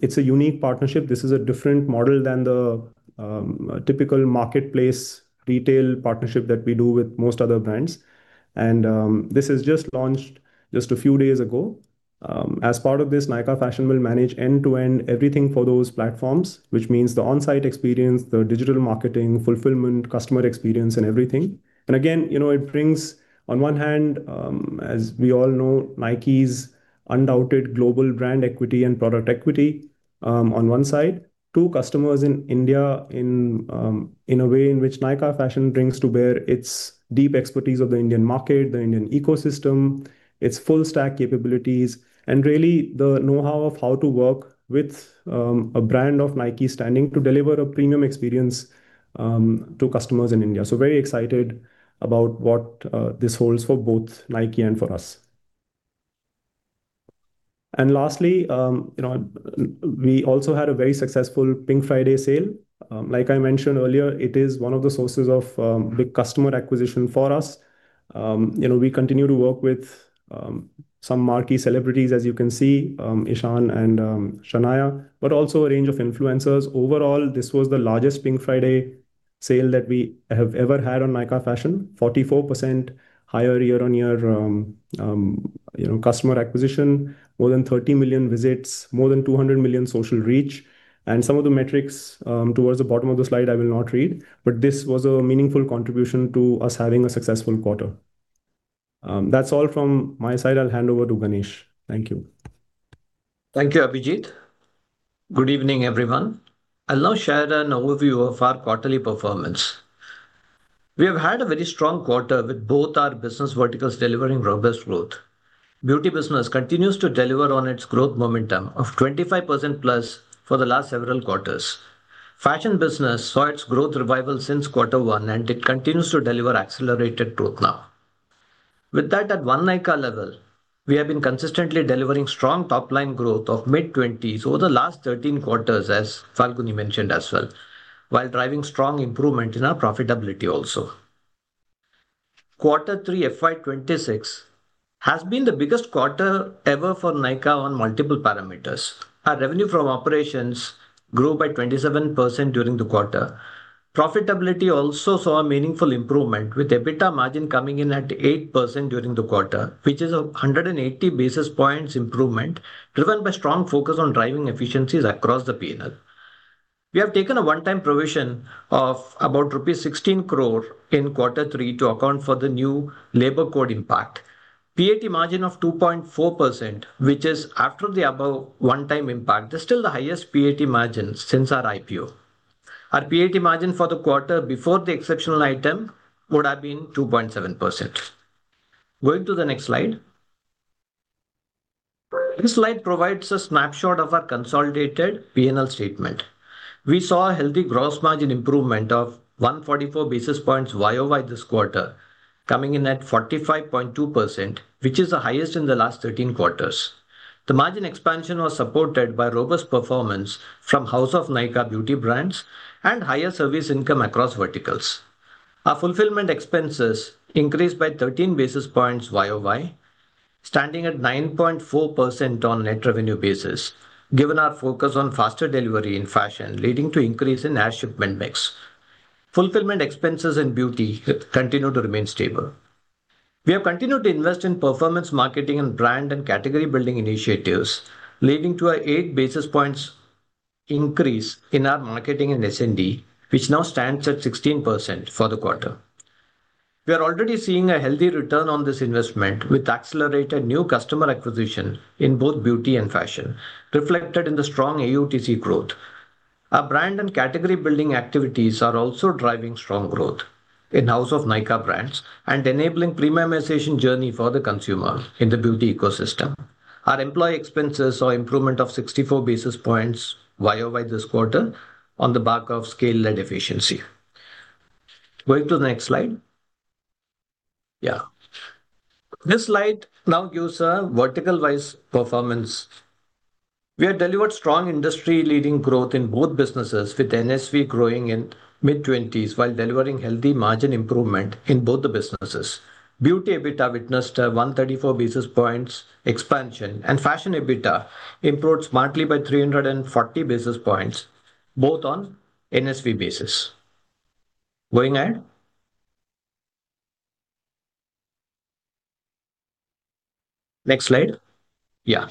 It's a unique partnership. This is a different model than the typical marketplace retail partnership that we do with most other brands. And, this is just launched just a few days ago. As part of this, Nykaa Fashion will manage end-to-end everything for those platforms, which means the on-site experience, the digital marketing, fulfillment, customer experience, and everything. And again, you know, it brings, on one hand, as we all know, Nike's undoubted global brand equity and product equity, on one side, to customers in India in, in a way in which Nykaa Fashion brings to bear its deep expertise of the Indian market, the Indian ecosystem, its full stack capabilities, and really the know-how of how to work with, a brand of Nike's standing to deliver a premium experience, to customers in India. So very excited about what, this holds for both Nike and for us. And lastly, you know, we also had a very successful Pink Friday sale. Like I mentioned earlier, it is one of the sources of, big customer acquisition for us. You know, we continue to work with some marquee celebrities, as you can see, Ishaan and Shanaya, but also a range of influencers. Overall, this was the largest Pink Friday sale that we have ever had on Nykaa Fashion. 44% higher year-on-year, you know, customer acquisition, more than 30 million visits, more than 200 million social reach, and some of the metrics towards the bottom of the slide, I will not read, but this was a meaningful contribution to us having a successful quarter. That's all from my side. I'll hand over to Ganesh. Thank you. Thank you, Abhijit. Good evening, everyone. I'll now share an overview of our quarterly performance. We have had a very strong quarter, with both our business verticals delivering robust growth. Beauty business continues to deliver on its growth momentum of 25%+ for the last several quarters. Fashion business saw its growth revival since quarter 1, and it continues to deliver accelerated growth now... With that, at one Nykaa level, we have been consistently delivering strong top-line growth of mid-20s over the last 13 quarters, as Falguni mentioned as well, while driving strong improvement in our profitability also. Q3, FY 2026, has been the biggest quarter ever for Nykaa on multiple parameters. Our revenue from operations grew by 27% during the quarter. Profitability also saw a meaningful improvement, with EBITDA margin coming in at 8% during the quarter, which is a 180 basis points improvement, driven by strong focus on driving efficiencies across the P&L. We have taken a one-time provision of about rupees 16 crore in quarter three to account for the new labor code impact. PAT margin of 2.4%, which is after the above one-time impact, is still the highest PAT margin since our IPO. Our PAT margin for the quarter before the exceptional item would have been 2.7%. Going to the next slide. This slide provides a snapshot of our consolidated P&L statement. We saw a healthy gross margin improvement of 144 basis points year-over-year this quarter, coming in at 45.2%, which is the highest in the last 13 quarters. The margin expansion was supported by robust performance from House of Nykaa beauty brands and higher service income across verticals. Our fulfillment expenses increased by 13 basis points year-over-year, standing at 9.4% on net revenue basis, given our focus on faster delivery in fashion, leading to increase in air shipment mix. Fulfillment expenses in beauty continue to remain stable. We have continued to invest in performance marketing and brand and category-building initiatives, leading to an 8 basis points increase in our marketing and S&D, which now stands at 16% for the quarter. We are already seeing a healthy return on this investment, with accelerated new customer acquisition in both beauty and fashion, reflected in the strong AUTC growth. Our brand and category-building activities are also driving strong growth in House of Nykaa brands and enabling premiumization journey for the consumer in the beauty ecosystem. Our employee expenses saw improvement of 64 basis points year-over-year this quarter on the back of scale and efficiency. Going to the next slide. Yeah. This slide now gives a vertical-wise performance. We have delivered strong industry-leading growth in both businesses, with NSV growing in mid-20s, while delivering healthy margin improvement in both the businesses. Beauty EBITDA witnessed a 134 basis points expansion, and fashion EBITDA improved smartly by 340 basis points, both on NSV basis. Going ahead. Next slide. Yeah.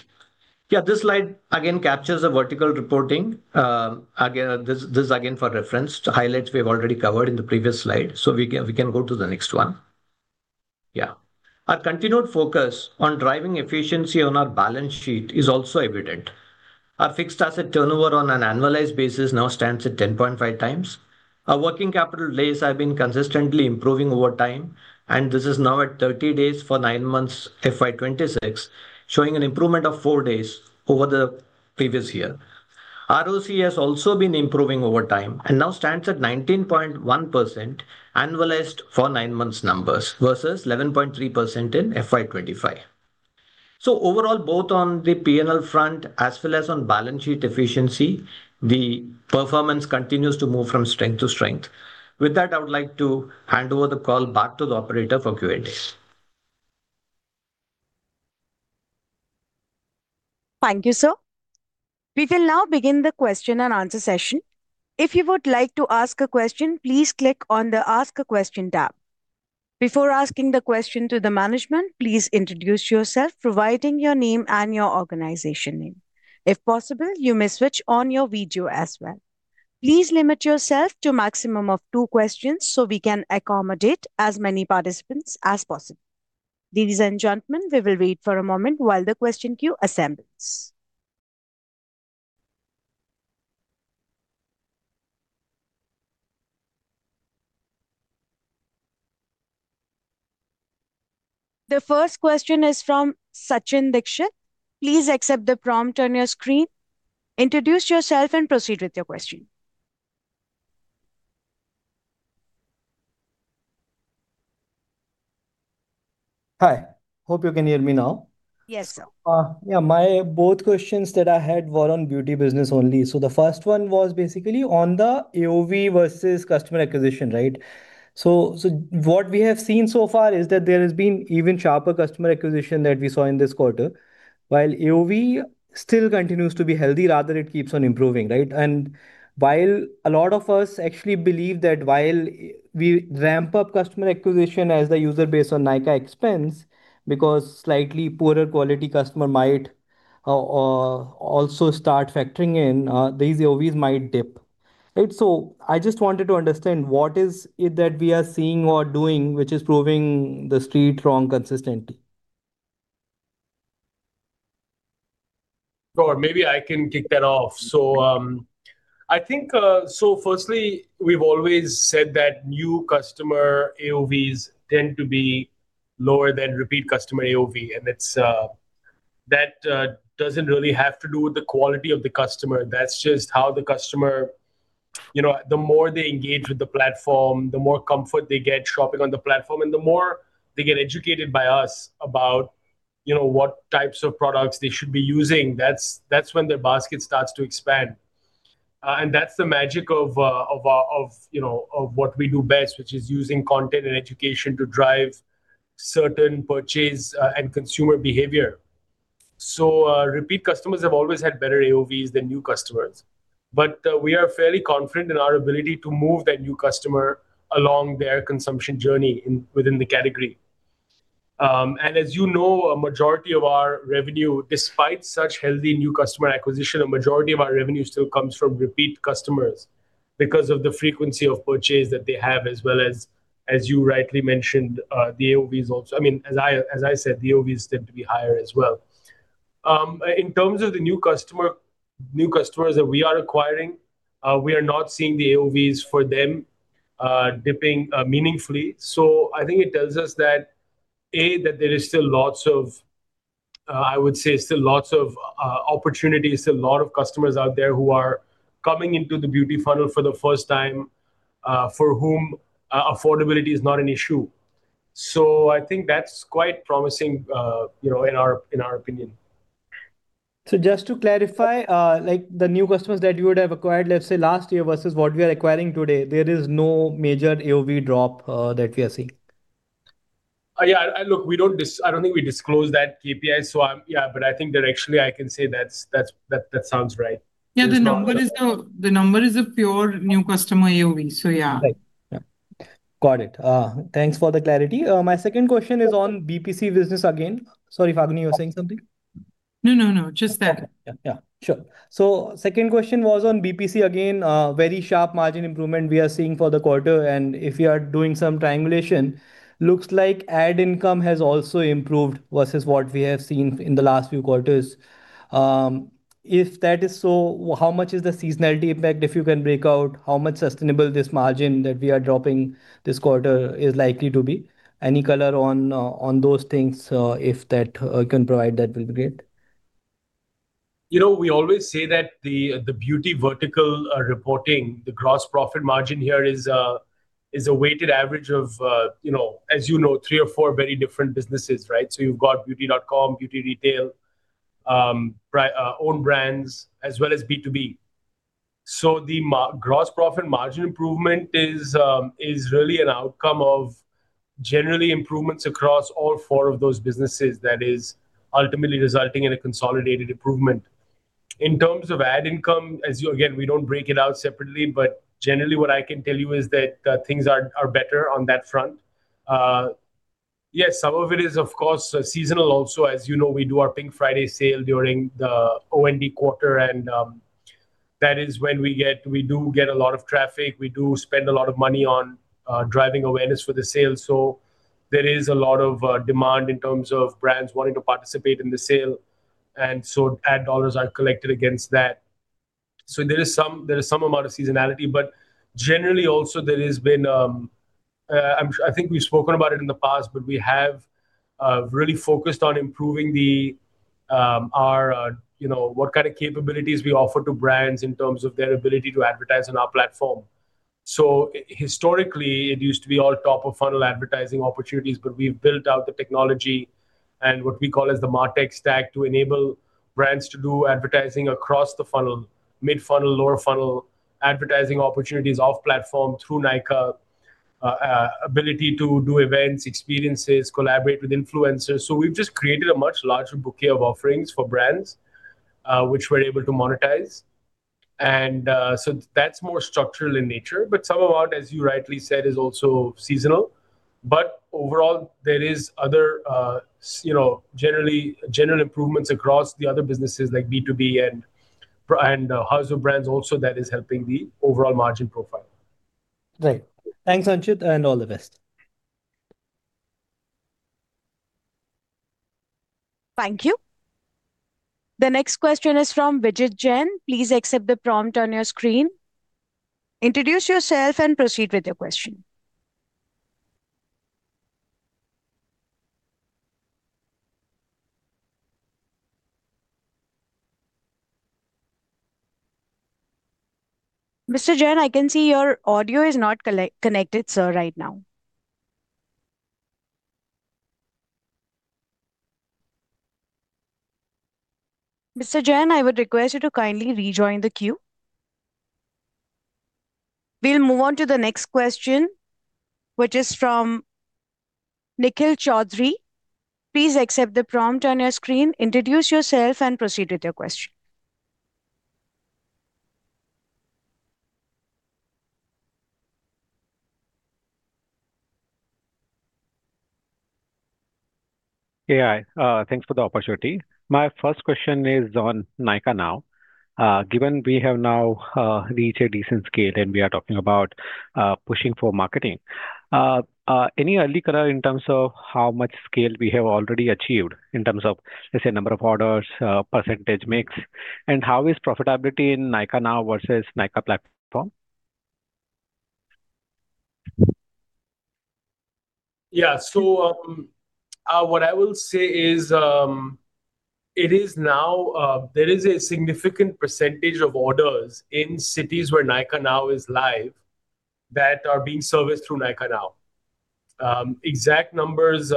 Yeah, this slide again captures a vertical reporting. Again, this is again for reference. The highlights we've already covered in the previous slide, so we can go to the next one. Yeah. Our continued focus on driving efficiency on our balance sheet is also evident. Our fixed asset turnover on an annualized basis now stands at 10.5 times. Our working capital days have been consistently improving over time, and this is now at 30 days for 9 months, FY 2026, showing an improvement of 4 days over the previous year. ROCE has also been improving over time and now stands at 19.1% annualized for 9 months numbers, versus 11.3% in FY 2025. So overall, both on the P&L front as well as on balance sheet efficiency, the performance continues to move from strength to strength. With that, I would like to hand over the call back to the operator for Q&A. Thank you, sir. We will now begin the question and answer session. If you would like to ask a question, please click on the Ask a Question tab. Before asking the question to the management, please introduce yourself, providing your name and your organization name. If possible, you may switch on your video as well. Please limit yourself to maximum of two questions, so we can accommodate as many participants as possible. Ladies and gentlemen, we will wait for a moment while the question queue assembles. The first question is from Sachin Dixit. Please accept the prompt on your screen, introduce yourself, and proceed with your question. Hi, hope you can hear me now. Yes, sir. Yeah, my both questions that I had were on beauty business only. So the first one was basically on the AOV versus customer acquisition, right? So what we have seen so far is that there has been even sharper customer acquisition than we saw in this quarter, while AOV still continues to be healthy, rather it keeps on improving, right? And while a lot of us actually believe that while we ramp up customer acquisition as the user base on Nykaa expands, because slightly poorer quality customer might also start factoring in, these AOVs might dip. Right? So I just wanted to understand, what is it that we are seeing or doing which is proving the street wrong consistently? Sure, maybe I can kick that off. So, I think, So firstly, we've always said that new customer AOVs tend to be lower than repeat customer AOV, and it's, that, doesn't really have to do with the quality of the customer. That's just how the customer-... you know, the more they engage with the platform, the more comfort they get shopping on the platform, and the more they get educated by us about, you know, what types of products they should be using, that's when their basket starts to expand. And that's the magic of, of, you know, of what we do best, which is using content and education to drive certain purchase and consumer behavior. So, repeat customers have always had better AOV than new customers, but we are fairly confident in our ability to move that new customer along their consumption journey in, within the category. And as you know, a majority of our revenue, despite such healthy new customer acquisition, a majority of our revenue still comes from repeat customers because of the frequency of purchase that they have, as well as, as you rightly mentioned, the AOVs also. I mean, as I said, the AOVs tend to be higher as well. In terms of the new customer - new customers that we are acquiring, we are not seeing the AOVs for them, dipping, meaningfully. So I think it tells us that, A, that there is still lots of, I would say still lots of, opportunities, still a lot of customers out there who are coming into the beauty funnel for the first time, for whom, affordability is not an issue. I think that's quite promising, you know, in our opinion. Just to clarify, like, the new customers that you would have acquired, let's say, last year versus what we are acquiring today, there is no major AOV drop that we are seeing? Yeah, and look, we don't disclose that KPI, so I'm... Yeah, but I think that actually I can say that's that sounds right. There's no- Yeah, the number is a pure new customer AOV, so yeah. Right. Yeah. Got it. Thanks for the clarity. My second question is on BPC business again. Sorry, Falguni, you were saying something? No, no, no, just that. Okay. Yeah, yeah, sure. So second question was on BPC again. Very sharp margin improvement we are seeing for the quarter, and if we are doing some triangulation, looks like ad income has also improved versus what we have seen in the last few quarters. If that is so, how much is the seasonality impact, if you can break out how much sustainable this margin that we are dropping this quarter is likely to be? Any color on those things, if that you can provide, that will be great. You know, we always say that the beauty vertical reporting, the gross profit margin here is a weighted average of, you know, as you know, three or four very different businesses, right? So you've got Beauty.com, beauty retail, owned brands, as well as B2B. So the gross profit margin improvement is really an outcome of generally improvements across all four of those businesses that is ultimately resulting in a consolidated improvement. In terms of ad income, as you... Again, we don't break it out separately, but generally what I can tell you is that things are better on that front. Yes, some of it is, of course, seasonal also. As you know, we do our Pink Friday sale during the OND quarter, and that is when we get, we do get a lot of traffic. We do spend a lot of money on driving awareness for the sale, so there is a lot of demand in terms of brands wanting to participate in the sale, and so ad dollars are collected against that. So there is some amount of seasonality, but generally also there has been, I think we've spoken about it in the past, but we have really focused on improving our you know what kind of capabilities we offer to brands in terms of their ability to advertise on our platform. So historically, it used to be all top-of-funnel advertising opportunities, but we've built out the technology and what we call as the MarTech stack to enable brands to do advertising across the funnel, mid-funnel, lower-funnel advertising opportunities off platform through Nykaa, ability to do events, experiences, collaborate with influencers. So we've just created a much larger bouquet of offerings for brands, which we're able to monetize. And so that's more structural in nature, but some of that, as you rightly said, is also seasonal. But overall, there is other, you know, generally, general improvements across the other businesses like B2B and House of Brands also that is helping the overall margin profile. Right. Thanks, Anchit, and all the best. Thank you. The next question is from Vijay Jain. Please accept the prompt on your screen. Introduce yourself, and proceed with your question. Mr. Jain, I can see your audio is not connected, sir, right now. Mr. Jain, I would request you to kindly rejoin the queue. We'll move on to the next question, which is from Nikhil Chaudhary. Please accept the prompt on your screen, introduce yourself, and proceed with your question. Yeah, thanks for the opportunity. My first question is on Nykaa Now. Given we have now reached a decent scale and we are talking about pushing for marketing, any early color in terms of how much scale we have already achieved in terms of, let's say, number of orders, percentage mix, and how is profitability in Nykaa Now versus Nykaa platform? Yeah, so, what I will say is, it is now, there is a significant percentage of orders in cities where Nykaa Now is live that are being serviced through Nykaa Now. Exact numbers,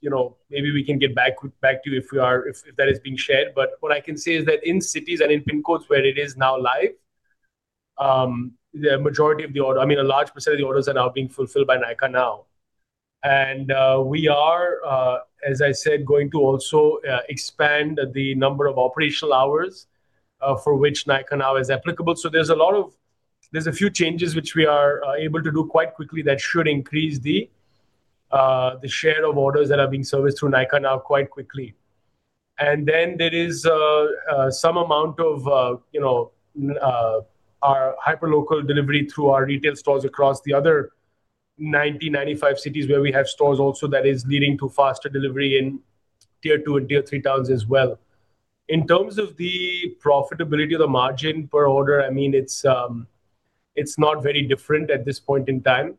you know, maybe we can get back to you if that is being shared. But what I can say is that in cities and in pin codes where it is now live, I mean, a large percent of the orders are now being fulfilled by Nykaa Now. And, we are, as I said, going to also expand the number of operational hours for which Nykaa Now is applicable. So there's a few changes which we are able to do quite quickly that should increase the share of orders that are being serviced through Nykaa Now quite quickly. And then there is some amount of, you know, our hyperlocal delivery through our retail stores across the other 95 cities where we have stores also that is leading to faster delivery in tier two and tier three towns as well. In terms of the profitability of the margin per order, I mean, it's not very different at this point in time.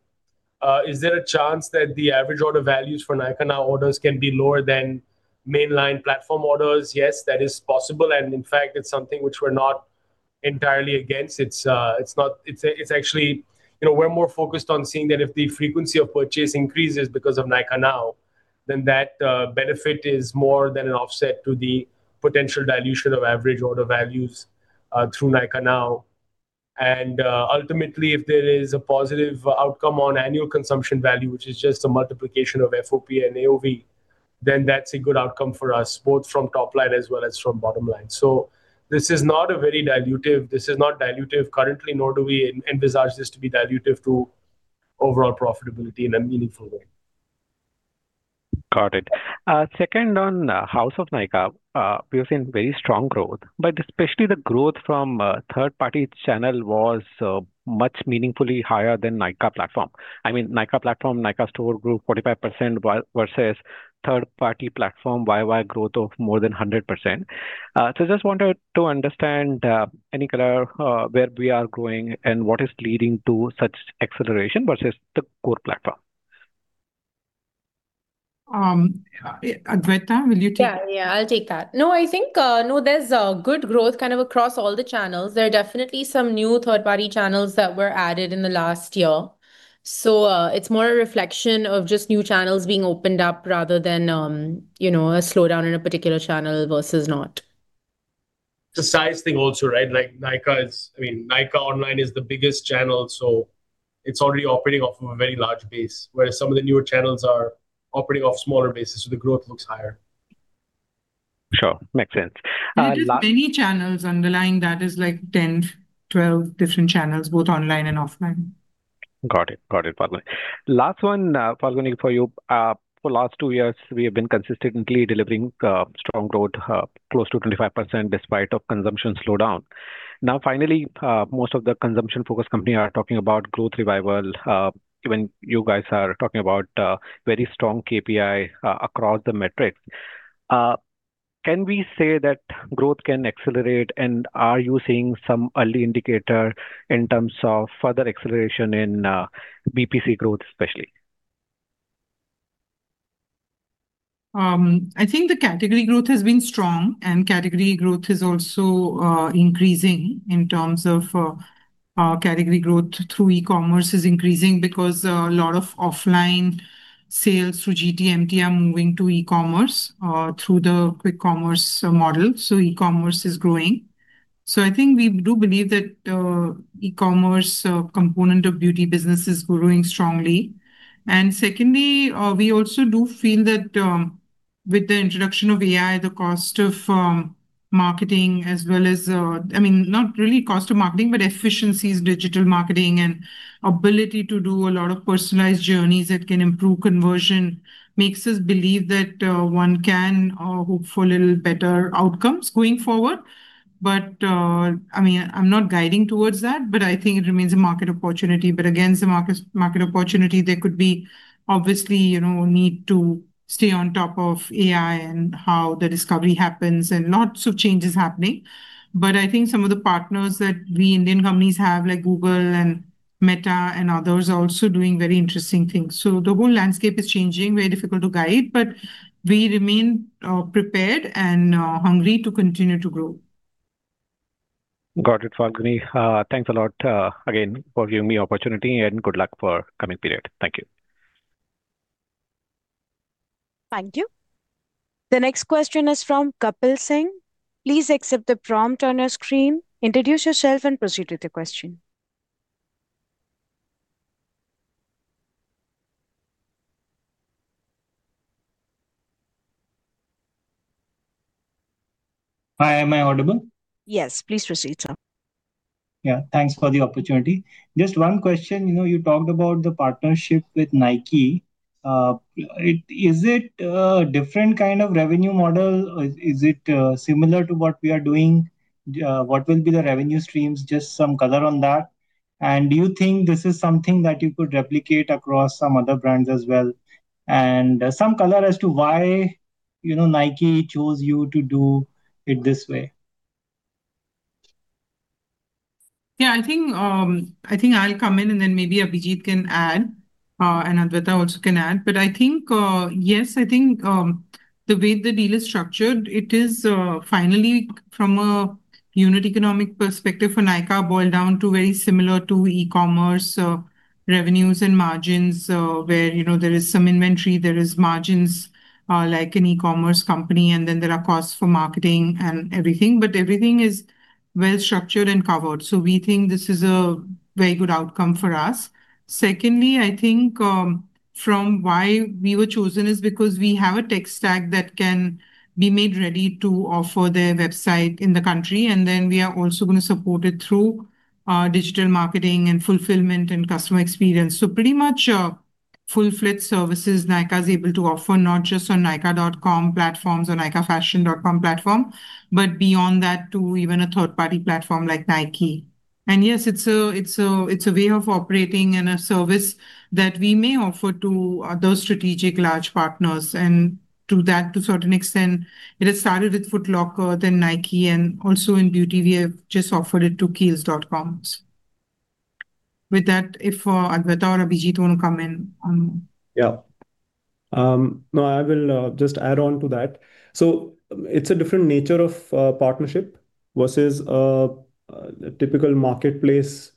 Is there a chance that the average order values for Nykaa Now orders can be lower than mainline platform orders? Yes, that is possible, and in fact, it's something which we're not entirely against. It's not... It's actually, you know, we're more focused on seeing that if the frequency of purchase increases because of Nykaa Now, then that benefit is more than an offset to the potential dilution of average order values through Nykaa Now. And ultimately, if there is a positive outcome on annual consumption value, which is just a multiplication of FOP and AOV, then that's a good outcome for us, both from top line as well as from bottom line. So this is not a very dilutive. This is not dilutive currently, nor do we envisage this to be dilutive to overall profitability in a meaningful way. Got it. Second, on House of Nykaa, we have seen very strong growth, but especially the growth from third-party channel was much meaningfully higher than Nykaa platform. I mean, Nykaa platform, Nykaa store grew 45% versus third-party platform Y-over-Y growth of more than 100%. So just wanted to understand any color where we are growing and what is leading to such acceleration versus the core platform? Adwaita, will you take that? Yeah, yeah, I'll take that. No, I think no, there's good growth kind of across all the channels. There are definitely some new third-party channels that were added in the last year. So, it's more a reflection of just new channels being opened up rather than, you know, a slowdown in a particular channel versus not. It's a size thing also, right? Like Nykaa is... I mean, Nykaa online is the biggest channel, so it's already operating off of a very large base, whereas some of the newer channels are operating off smaller bases, so the growth looks higher. Sure. Makes sense. Last- Just many channels underlying that is, like, 10, 12 different channels, both online and offline. Got it. Got it, Falguni. Last one, Falguni, for you. For the last two years, we have been consistently delivering strong growth close to 25% despite of consumption slowdown. Now, finally, most of the consumption-focused company are talking about growth revival. Even you guys are talking about very strong KPI across the metrics. Can we say that growth can accelerate, and are you seeing some early indicator in terms of further acceleration in BPC growth, especially? I think the category growth has been strong, and category growth is also increasing in terms of category growth through e-commerce is increasing because a lot of offline sales through GT/MT are moving to e-commerce through the quick commerce model. So e-commerce is growing. So I think we do believe that e-commerce component of beauty business is growing strongly. And secondly, we also do feel that with the introduction of AI, the cost of marketing as well as... I mean, not really cost of marketing, but efficiencies, digital marketing and ability to do a lot of personalized journeys that can improve conversion, makes us believe that one can hope for a little better outcomes going forward. But I mean, I'm not guiding towards that, but I think it remains a market opportunity. But again, it's a market, market opportunity, there could be obviously, you know, need to stay on top of AI and how the discovery happens, and lots of changes happening. But I think some of the partners that we Indian companies have, like Google and Meta and others, are also doing very interesting things. So the whole landscape is changing. Very difficult to guide, but we remain, prepared and, hungry to continue to grow. Got it, Falguni. Thanks a lot, again, for giving me the opportunity, and good luck for coming period. Thank you. Thank you. The next question is from Kapil Singh. Please accept the prompt on your screen, introduce yourself, and proceed with the question. Hi, am I audible? Yes. Please proceed, sir. Yeah, thanks for the opportunity. Just one question. You know, you talked about the partnership with Nike. Is it a different kind of revenue model, or is it similar to what we are doing? What will be the revenue streams? Just some color on that. And, some color as to why, you know, Nike chose you to do it this way.... Yeah, I think, I think I'll come in, and then maybe Abhijit can add, and Adwaita also can add. But I think, yes, I think, the way the deal is structured, it is, finally from a unit economic perspective for Nykaa boil down to very similar to e-commerce, revenues and margins, where, you know, there is some inventory, there is margins, like an e-commerce company, and then there are costs for marketing and everything. But everything is well-structured and covered, so we think this is a very good outcome for us. Secondly, I think, from why we were chosen is because we have a tech stack that can be made ready to offer their website in the country, and then we are also gonna support it through, digital marketing and fulfillment and customer experience. So pretty much, full fleet services Nykaa's able to offer, not just on Nykaa.com platforms or NykaaFashion.com platform, but beyond that to even a third-party platform like Nike. And yes, it's a way of operating and a service that we may offer to other strategic large partners. And to that, to a certain extent, it has started with Foot Locker, then Nike, and also in beauty we have just offered it to Kiehls.com. With that, if Adwaita or Abhijit want to come in on- Yeah. No, I will just add on to that. So it's a different nature of partnership versus a typical marketplace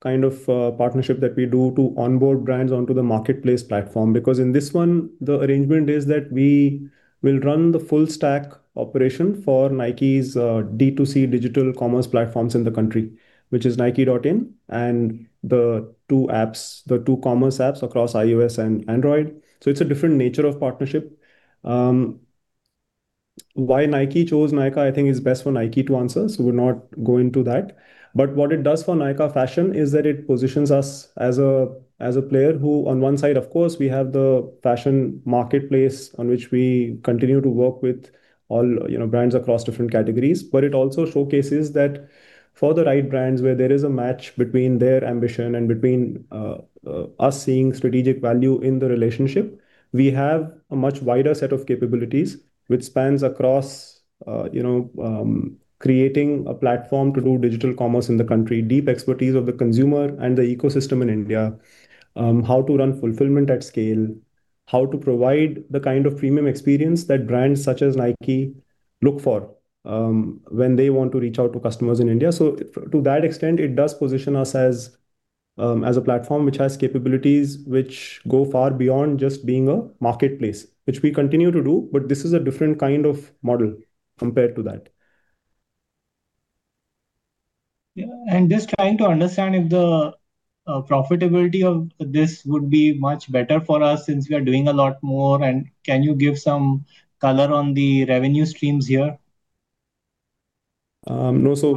kind of partnership that we do to onboard brands onto the marketplace platform. Because in this one, the arrangement is that we will run the full stack operation for Nike's D2C digital commerce platforms in the country, which is nike.in, and the two apps, the two commerce apps across iOS and Android. So it's a different nature of partnership. Why Nike chose Nykaa I think is best for Nike to answer, so we'll not go into that. But what it does for Nykaa Fashion is that it positions us as a, as a player who, on one side, of course, we have the fashion marketplace on which we continue to work with all, you know, brands across different categories. But it also showcases that for the right brands, where there is a match between their ambition and us seeing strategic value in the relationship, we have a much wider set of capabilities, which spans across, you know, creating a platform to do digital commerce in the country, deep expertise of the consumer and the ecosystem in India, how to run fulfillment at scale, how to provide the kind of premium experience that brands such as Nike look for, when they want to reach out to customers in India. So to that extent, it does position us as, as a platform which has capabilities which go far beyond just being a marketplace, which we continue to do, but this is a different kind of model compared to that. Yeah, and just trying to understand if the profitability of this would be much better for us, since we are doing a lot more. Can you give some color on the revenue streams here? No. So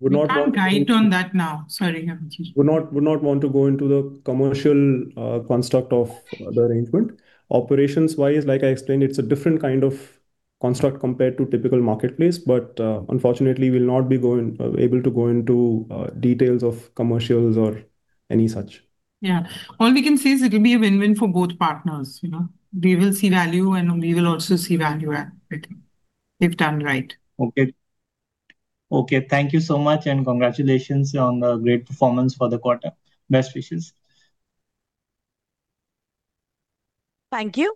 would not want- We can't guide on that now. Sorry, Abhijit. Would not want to go into the commercial construct of the arrangement. Operations-wise, like I explained, it's a different kind of construct compared to typical marketplace, but unfortunately, we'll not be able to go into details of commercials or any such. Yeah. All we can say is it'll be a win-win for both partners, you know? They will see value, and we will also see value add with it, if done right. Okay. Okay, thank you so much, and congratulations on the great performance for the quarter. Best wishes. Thank you.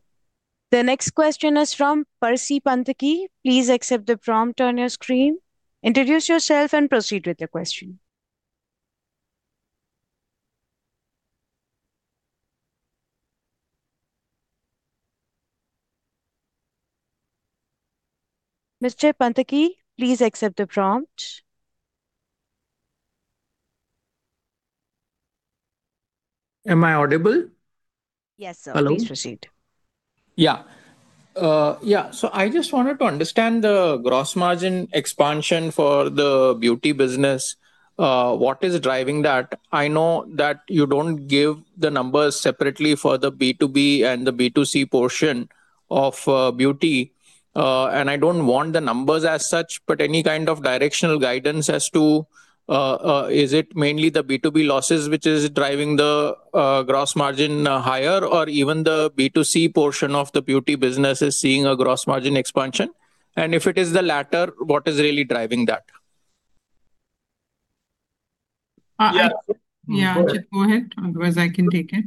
The next question is from Percy Panthaki. Please accept the prompt on your screen. Introduce yourself, and proceed with the question. Mr. Panthaki, please accept the prompt. Am I audible? Yes, sir. Hello. Please proceed. Yeah. Yeah, so I just wanted to understand the gross margin expansion for the beauty business. What is driving that? I know that you don't give the numbers separately for the B2B and the B2C portion of beauty, and I don't want the numbers as such, but any kind of directional guidance as to is it mainly the B2B losses which is driving the gross margin higher, or even the B2C portion of the beauty business is seeing a gross margin expansion? If it is the latter, what is really driving that? Uh... Yeah. Yeah, go ahead. Otherwise, I can take it.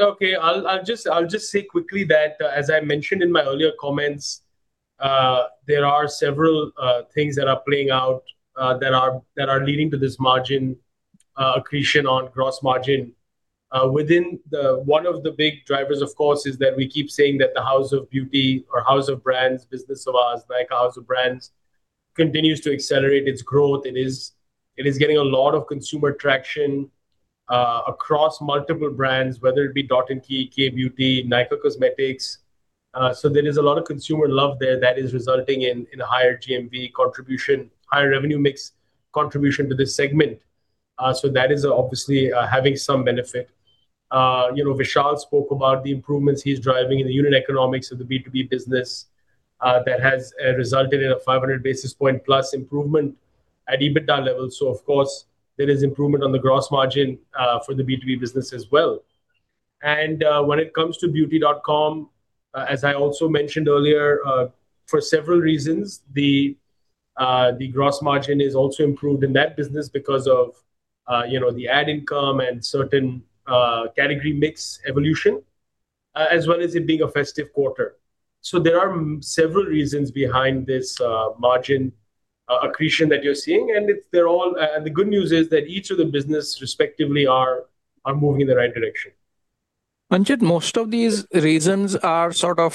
Okay, I'll just say quickly that, as I mentioned in my earlier comments, there are several things that are playing out that are leading to this margin accretion on gross margin. One of the big drivers, of course, is that we keep saying that the House of Beauty or House of Brands business of ours, House of Nykaa Brands, continues to accelerate its growth. It is getting a lot of consumer traction across multiple brands, whether it be Dot & Key, Kay Beauty, Nykaa Cosmetics. So there is a lot of consumer love there that is resulting in a higher GMV contribution, higher revenue mix contribution to this segment. So that is obviously having some benefit. you know, Vishal spoke about the improvements he's driving in the unit economics of the B2B business that has resulted in a 500 basis point plus improvement at EBITDA level. So of course, there is improvement on the gross margin for the B2B business as well.... and, when it comes to Beauty.com, as I also mentioned earlier, for several reasons, the gross margin is also improved in that business because of, you know, the ad income and certain category mix evolution, as well as it being a festive quarter. So there are several reasons behind this margin accretion that you're seeing, and it's—they're all—and the good news is that each of the business respectively are moving in the right direction. Manjit, most of these reasons are sort of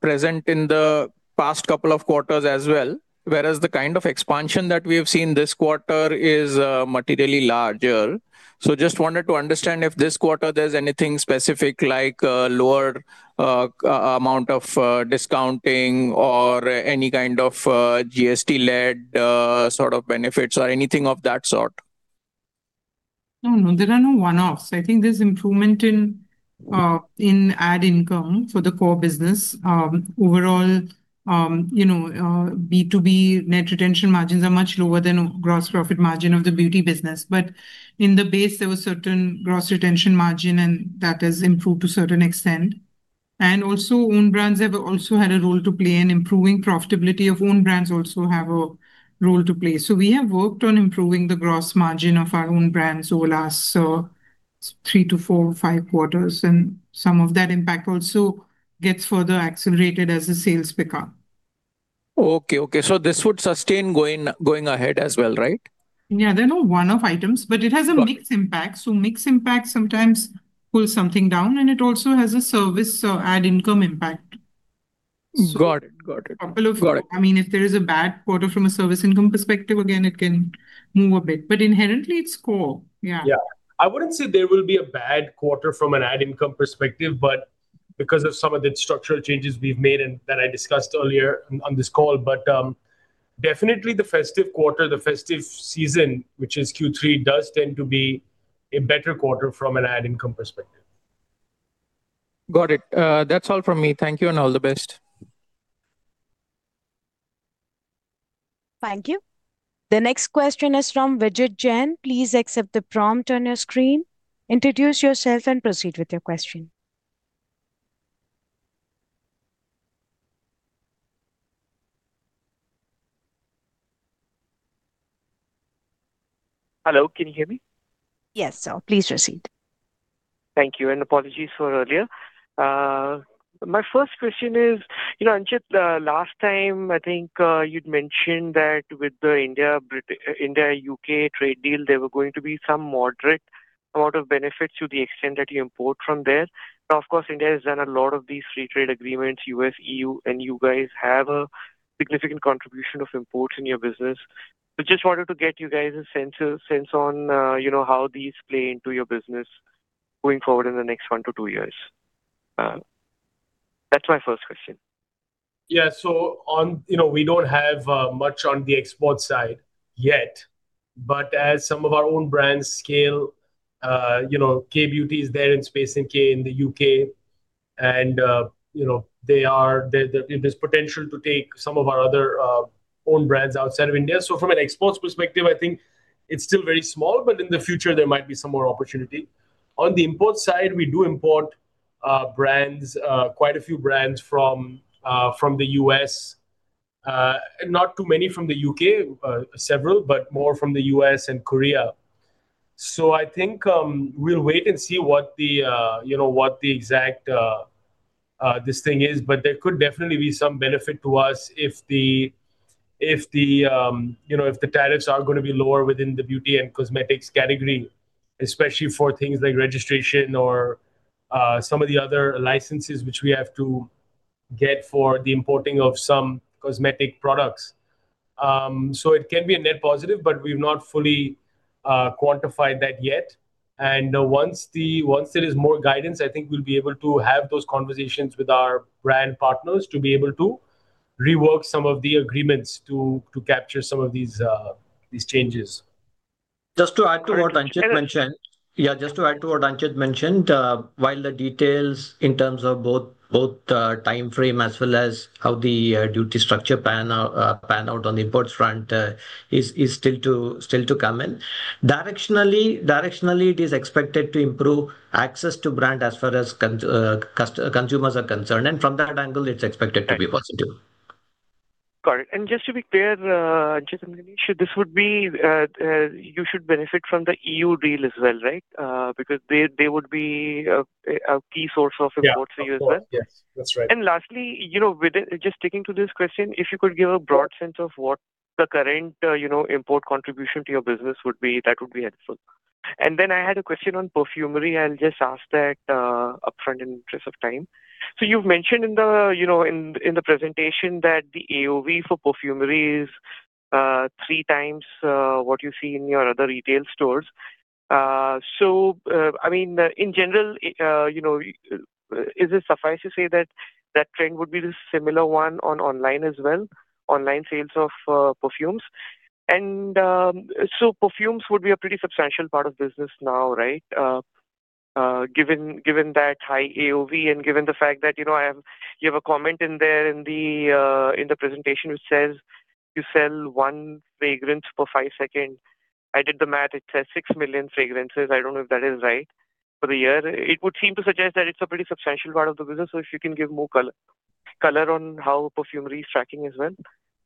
present in the past couple of quarters as well, whereas the kind of expansion that we have seen this quarter is materially larger. So just wanted to understand if this quarter there's anything specific like lower amount of discounting or any kind of GST-led sort of benefits or anything of that sort? No, no, there are no one-offs. I think there's improvement in in ad income for the core business. Overall, you know, B2B net retention margins are much lower than gross profit margin of the beauty business. But in the base, there was certain gross retention margin, and that has improved to a certain extent. And also, own brands have also had a role to play in improving profitability of own brands also have a role to play. So we have worked on improving the gross margin of our own brands over last 3 to 4, 5 quarters, and some of that impact also gets further accelerated as the sales pick up. Okay. Okay, so this would sustain going ahead as well, right? Yeah, they're not one-off items, but it has- Got it. a mixed impact. So mixed impact sometimes pulls something down, and it also has a service, ad income impact. So- Got it. Got it. Couple of- Got it. I mean, if there is a bad quarter from a service income perspective, again, it can move a bit, but inherently it's core. Yeah. Yeah. I wouldn't say there will be a bad quarter from an ad income perspective, but because of some of the structural changes we've made and that I discussed earlier on, on this call. But, definitely the festive quarter, the festive season, which is Q3, does tend to be a better quarter from an ad income perspective. Got it. That's all from me. Thank you, and all the best. Thank you. The next question is from Vijay Jain. Please accept the prompt on your screen, introduce yourself, and proceed with your question. Hello, can you hear me? Yes, sir. Please proceed. Thank you, and apologies for earlier. My first question is, you know, Abhijit, last time I think, you'd mentioned that with the India-UK trade deal, there were going to be some moderate amount of benefits to the extent that you import from there. Now, of course, India has done a lot of these free trade agreements, U.S., E.U., and you guys have a significant contribution of imports in your business. So just wanted to get you guys a sense on, you know, how these play into your business going forward in the next 1-2 years. That's my first question. Yeah. So on... You know, we don't have much on the export side yet, but as some of our own brands scale, you know, Kay Beauty is there in Space NK in the U.K., and, you know, they are there, there's potential to take some of our other own brands outside of India. So from an exports perspective, I think it's still very small, but in the future there might be some more opportunity. On the import side, we do import brands, quite a few brands from the U.S. Not too many from the U.K., several, but more from the U.S. and Korea. So I think, we'll wait and see what the, you know, what the exact this thing is. There could definitely be some benefit to us if the you know if the tariffs are gonna be lower within the beauty and cosmetics category, especially for things like registration or some of the other licenses which we have to get for the importing of some cosmetic products. It can be a net positive, but we've not fully quantified that yet. Once there is more guidance, I think we'll be able to have those conversations with our brand partners to be able to rework some of the agreements to capture some of these changes. Just to add to what Abhijit mentioned-... Yeah, just to add to what Anchit mentioned, while the details in terms of both time frame as well as how the duty structure pan out on the imports front is still to come in. Directionally, it is expected to improve access to brand as far as consumers are concerned, and from that angle, it's expected to be positive. Got it. Just to be clear, Abhijit and Ganesh, this would be, you should benefit from the EU deal as well, right? Because they would be a key source of imports- Yeah. for you as well. Of course. Yes, that's right. Lastly, you know, within just sticking to this question, if you could give a broad sense of what the current, you know, import contribution to your business would be, that would be helpful. Then I had a question on perfumery. I'll just ask that, upfront in interest of time. So you've mentioned in the, you know, in, in the presentation that the AOV for perfumery is, 3 times, what you see in your other retail stores. So, I mean, you know, is it suffice to say that that trend would be the similar one on online as well, online sales of, perfumes? And, so perfumes would be a pretty substantial part of business now, right? Given that high AOV and given the fact that, you know, you have a comment in there in the presentation which says you sell 1 fragrance per 5 seconds. I did the math, it says 6 million fragrances. I don't know if that is right, for the year. It would seem to suggest that it's a pretty substantial part of the business, so if you can give more color on how perfumery is tracking as well.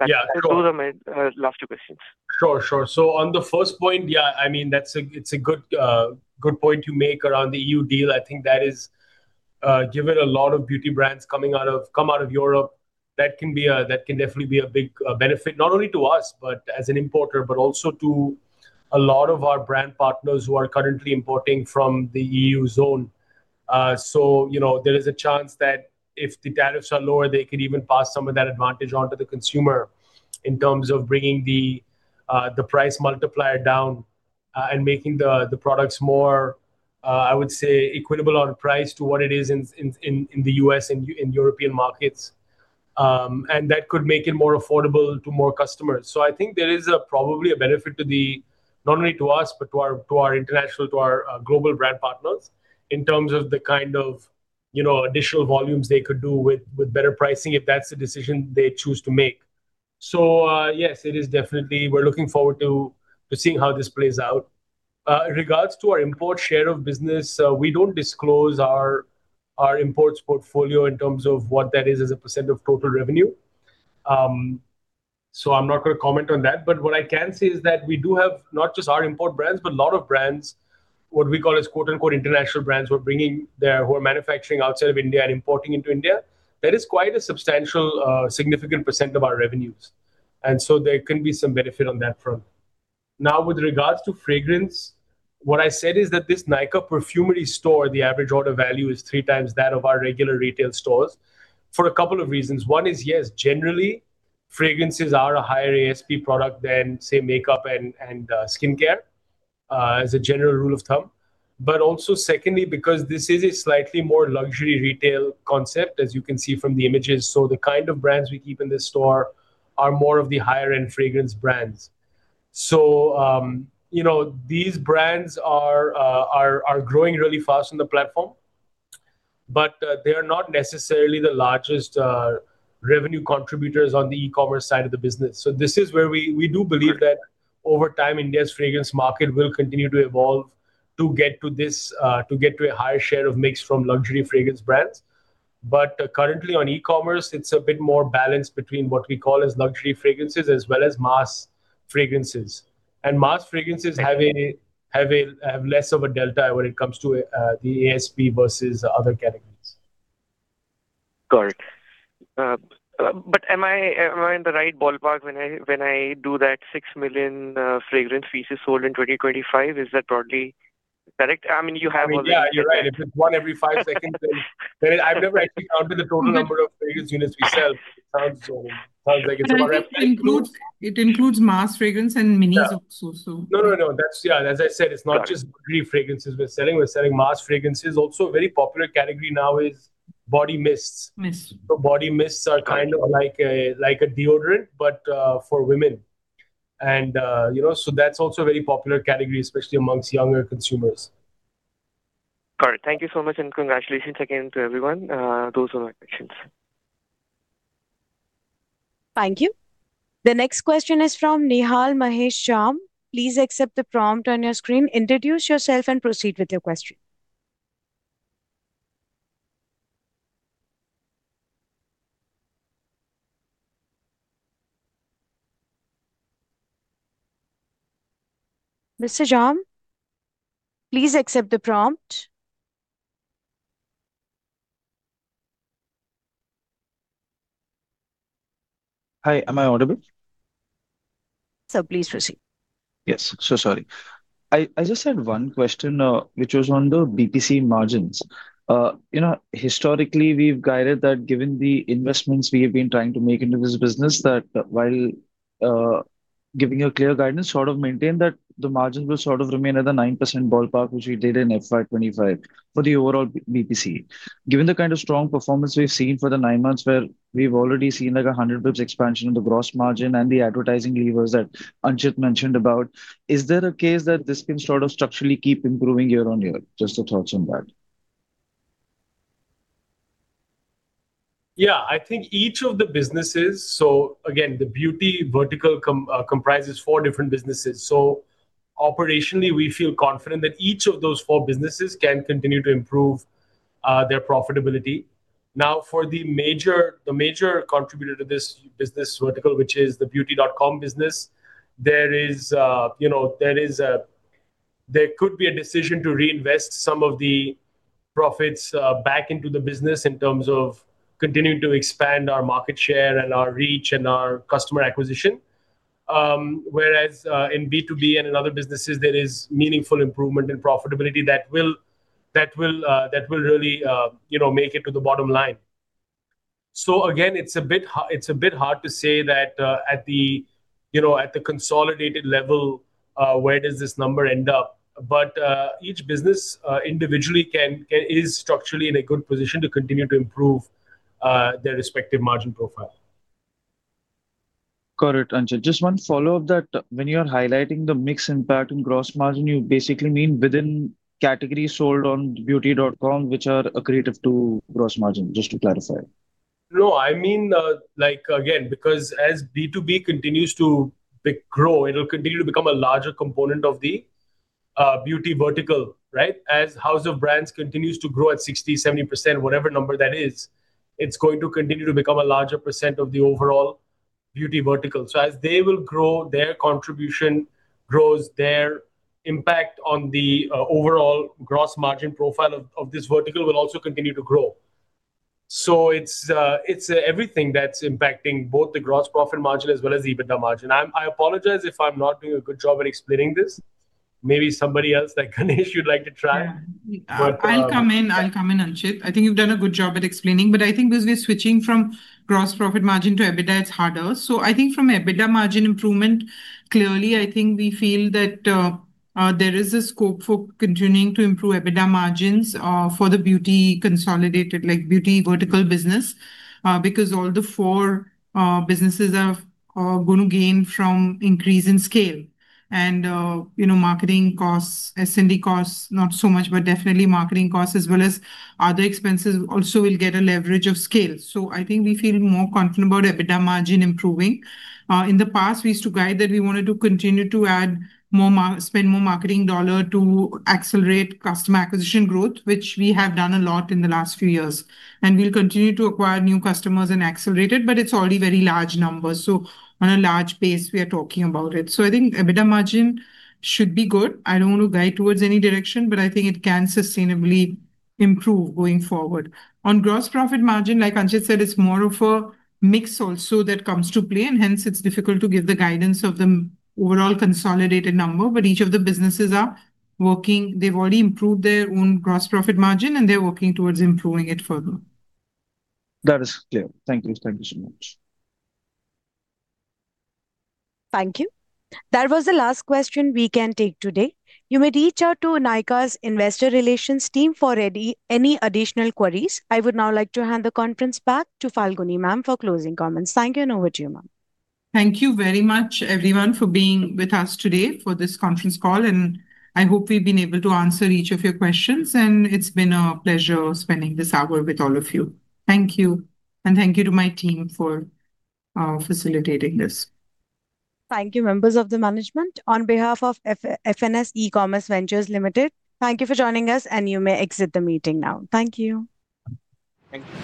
Yeah, sure. Those are my last two questions. Sure, sure. So on the first point, yeah, I mean, that's a good point you make around the EU deal. I think that is given a lot of beauty brands come out of Europe, that can be a, that can definitely be a big benefit, not only to us, but as an importer, but also to a lot of our brand partners who are currently importing from the EU zone. So you know, there is a chance that if the tariffs are lower, they could even pass some of that advantage on to the consumer in terms of bringing the price multiplier down, and making the products more, I would say, equitable on price to what it is in the US and in European markets. And that could make it more affordable to more customers. So I think there is a probably a benefit to the... not only to us, but to our, to our international, to our, global brand partners, in terms of the kind of, you know, additional volumes they could do with, with better pricing, if that's the decision they choose to make. So, yes, it is definitely. We're looking forward to, to seeing how this plays out. In regards to our import share of business, we don't disclose our, our imports portfolio in terms of what that is as a % of total revenue. So I'm not gonna comment on that. But what I can say is that we do have not just our import brands, but a lot of brands, what we call as, quote, unquote, "international brands," who are manufacturing outside of India and importing into India. That is quite a substantial, significant percent of our revenues, and so there can be some benefit on that front. Now, with regards to fragrance, what I said is that this Nykaa perfumery store, the average order value is three times that of our regular retail stores, for a couple of reasons. One is, yes, generally, fragrances are a higher ASP product than, say, makeup and skincare, as a general rule of thumb. But also secondly, because this is a slightly more luxury retail concept, as you can see from the images. So the kind of brands we keep in this store are more of the higher-end fragrance brands. So, you know, these brands are growing really fast on the platform, but they are not necessarily the largest revenue contributors on the e-commerce side of the business. So this is where we do believe that over time, India's fragrance market will continue to evolve to get to a higher share of mix from luxury fragrance brands. But currently on e-commerce, it's a bit more balanced between what we call as luxury fragrances, as well as mass fragrances. And mass fragrances have less of a delta when it comes to the ASP versus other categories. Got it. But am I, am I in the right ballpark when I, when I do that 6 million fragrance pieces sold in 2025? Is that broadly correct? I mean, you have all the- I mean, yeah, you're right. If it's 1 every 5 seconds, then I've never actually counted the total number of fragrance units we sell. It sounds like it's the right- I think it includes, it includes mass fragrance and minis also, so. No, no, no. That's, yeah, as I said, it's not just luxury fragrances we're selling. We're selling mass fragrances also. A very popular category now is body mists. Mists. So body mists are- Got it... kind of like a, like a deodorant, but for women. And you know, so that's also a very popular category, especially amongst younger consumers. Got it. Thank you so much, and congratulations again to everyone. Those were my questions. Thank you. The next question is from Nihal Mahesh Jham. Please accept the prompt on your screen, introduce yourself, and proceed with your question. Mr. Sham, please accept the prompt. Hi, am I audible? Sir, please proceed. Yes. So sorry. I, I just had one question, which was on the BPC margins. You know, historically, we've guided that given the investments we have been trying to make into this business, that while giving a clear guidance, sort of maintain that the margins will sort of remain at the 9% ballpark, which we did in FY 2025 for the overall BPC. Given the kind of strong performance we've seen for the 9 months, where we've already seen, like, a 100 basis points expansion in the gross margin and the advertising levers that Anchit mentioned about, is there a case that this can sort of structurally keep improving year-on-year? Just your thoughts on that. Yeah, I think each of the businesses... So again, the Beauty vertical.com comprises four different businesses. So operationally, we feel confident that each of those four businesses can continue to improve their profitability. Now, for the major, the major contributor to this business vertical, which is the Beauty.com business, there is, you know, there could be a decision to reinvest some of the profits back into the business in terms of continuing to expand our market share and our reach and our customer acquisition. Whereas, in B2B and in other businesses, there is meaningful improvement in profitability that will really, you know, make it to the bottom line. So again, it's a bit hard to say that, you know, at the consolidated level, where does this number end up? But, each business individually can is structurally in a good position to continue to improve their respective margin profile. Correct, Anchit. Just one follow-up that when you are highlighting the mix impact in gross margin, you basically mean within categories sold on nykaa.com, which are accretive to gross margin? Just to clarify. No, I mean, like, again, because as B2B continues to grow, it'll continue to become a larger component of the beauty vertical, right? As House of Brands continues to grow at 60%-70%, whatever number that is, it's going to continue to become a larger percent of the overall beauty vertical. So as they will grow, their contribution grows, their impact on the overall gross margin profile of this vertical will also continue to grow. So it's everything that's impacting both the gross profit margin as well as the EBITDA margin. I apologize if I'm not doing a good job at explaining this. Maybe somebody else, like Ganesh, you'd like to try. Yeah. But, uh- I'll come in. I'll come in, Anchit. I think you've done a good job at explaining, but I think because we're switching from gross profit margin to EBITDA, it's harder. So I think from EBITDA margin improvement, clearly, I think we feel that there is a scope for continuing to improve EBITDA margins for the beauty consolidated, like beauty vertical business, because all the four businesses are going to gain from increase in scale. And you know, marketing costs, A&P costs, not so much, but definitely marketing costs as well as other expenses also will get a leverage of scale. So I think we feel more confident about EBITDA margin improving. In the past, we used to guide that we wanted to continue to spend more marketing dollar to accelerate customer acquisition growth, which we have done a lot in the last few years. And we'll continue to acquire new customers and accelerate it, but it's already very large numbers, so on a large base, we are talking about it. So I think EBITDA margin should be good. I don't want to guide towards any direction, but I think it can sustainably improve going forward. On gross profit margin, like Anchit said, it's more of a mix also that comes to play, and hence it's difficult to give the guidance of the overall consolidated number. But each of the businesses are working. They've already improved their own gross profit margin, and they're working towards improving it further. That is clear. Thank you. Thank you so much. Thank you. That was the last question we can take today. You may reach out to Nykaa's Investor Relations team for any additional queries. I would now like to hand the conference back to Falguni, ma'am, for closing comments. Thank you, and over to you, ma'am. Thank you very much, everyone, for being with us today for this conference call, and I hope we've been able to answer each of your questions. It's been a pleasure spending this hour with all of you. Thank you, and thank you to my team for facilitating this. Thank you, members of the management. On behalf of FSN E-Commerce Ventures Limited, thank you for joining us, and you may exit the meeting now. Thank you. Thank you.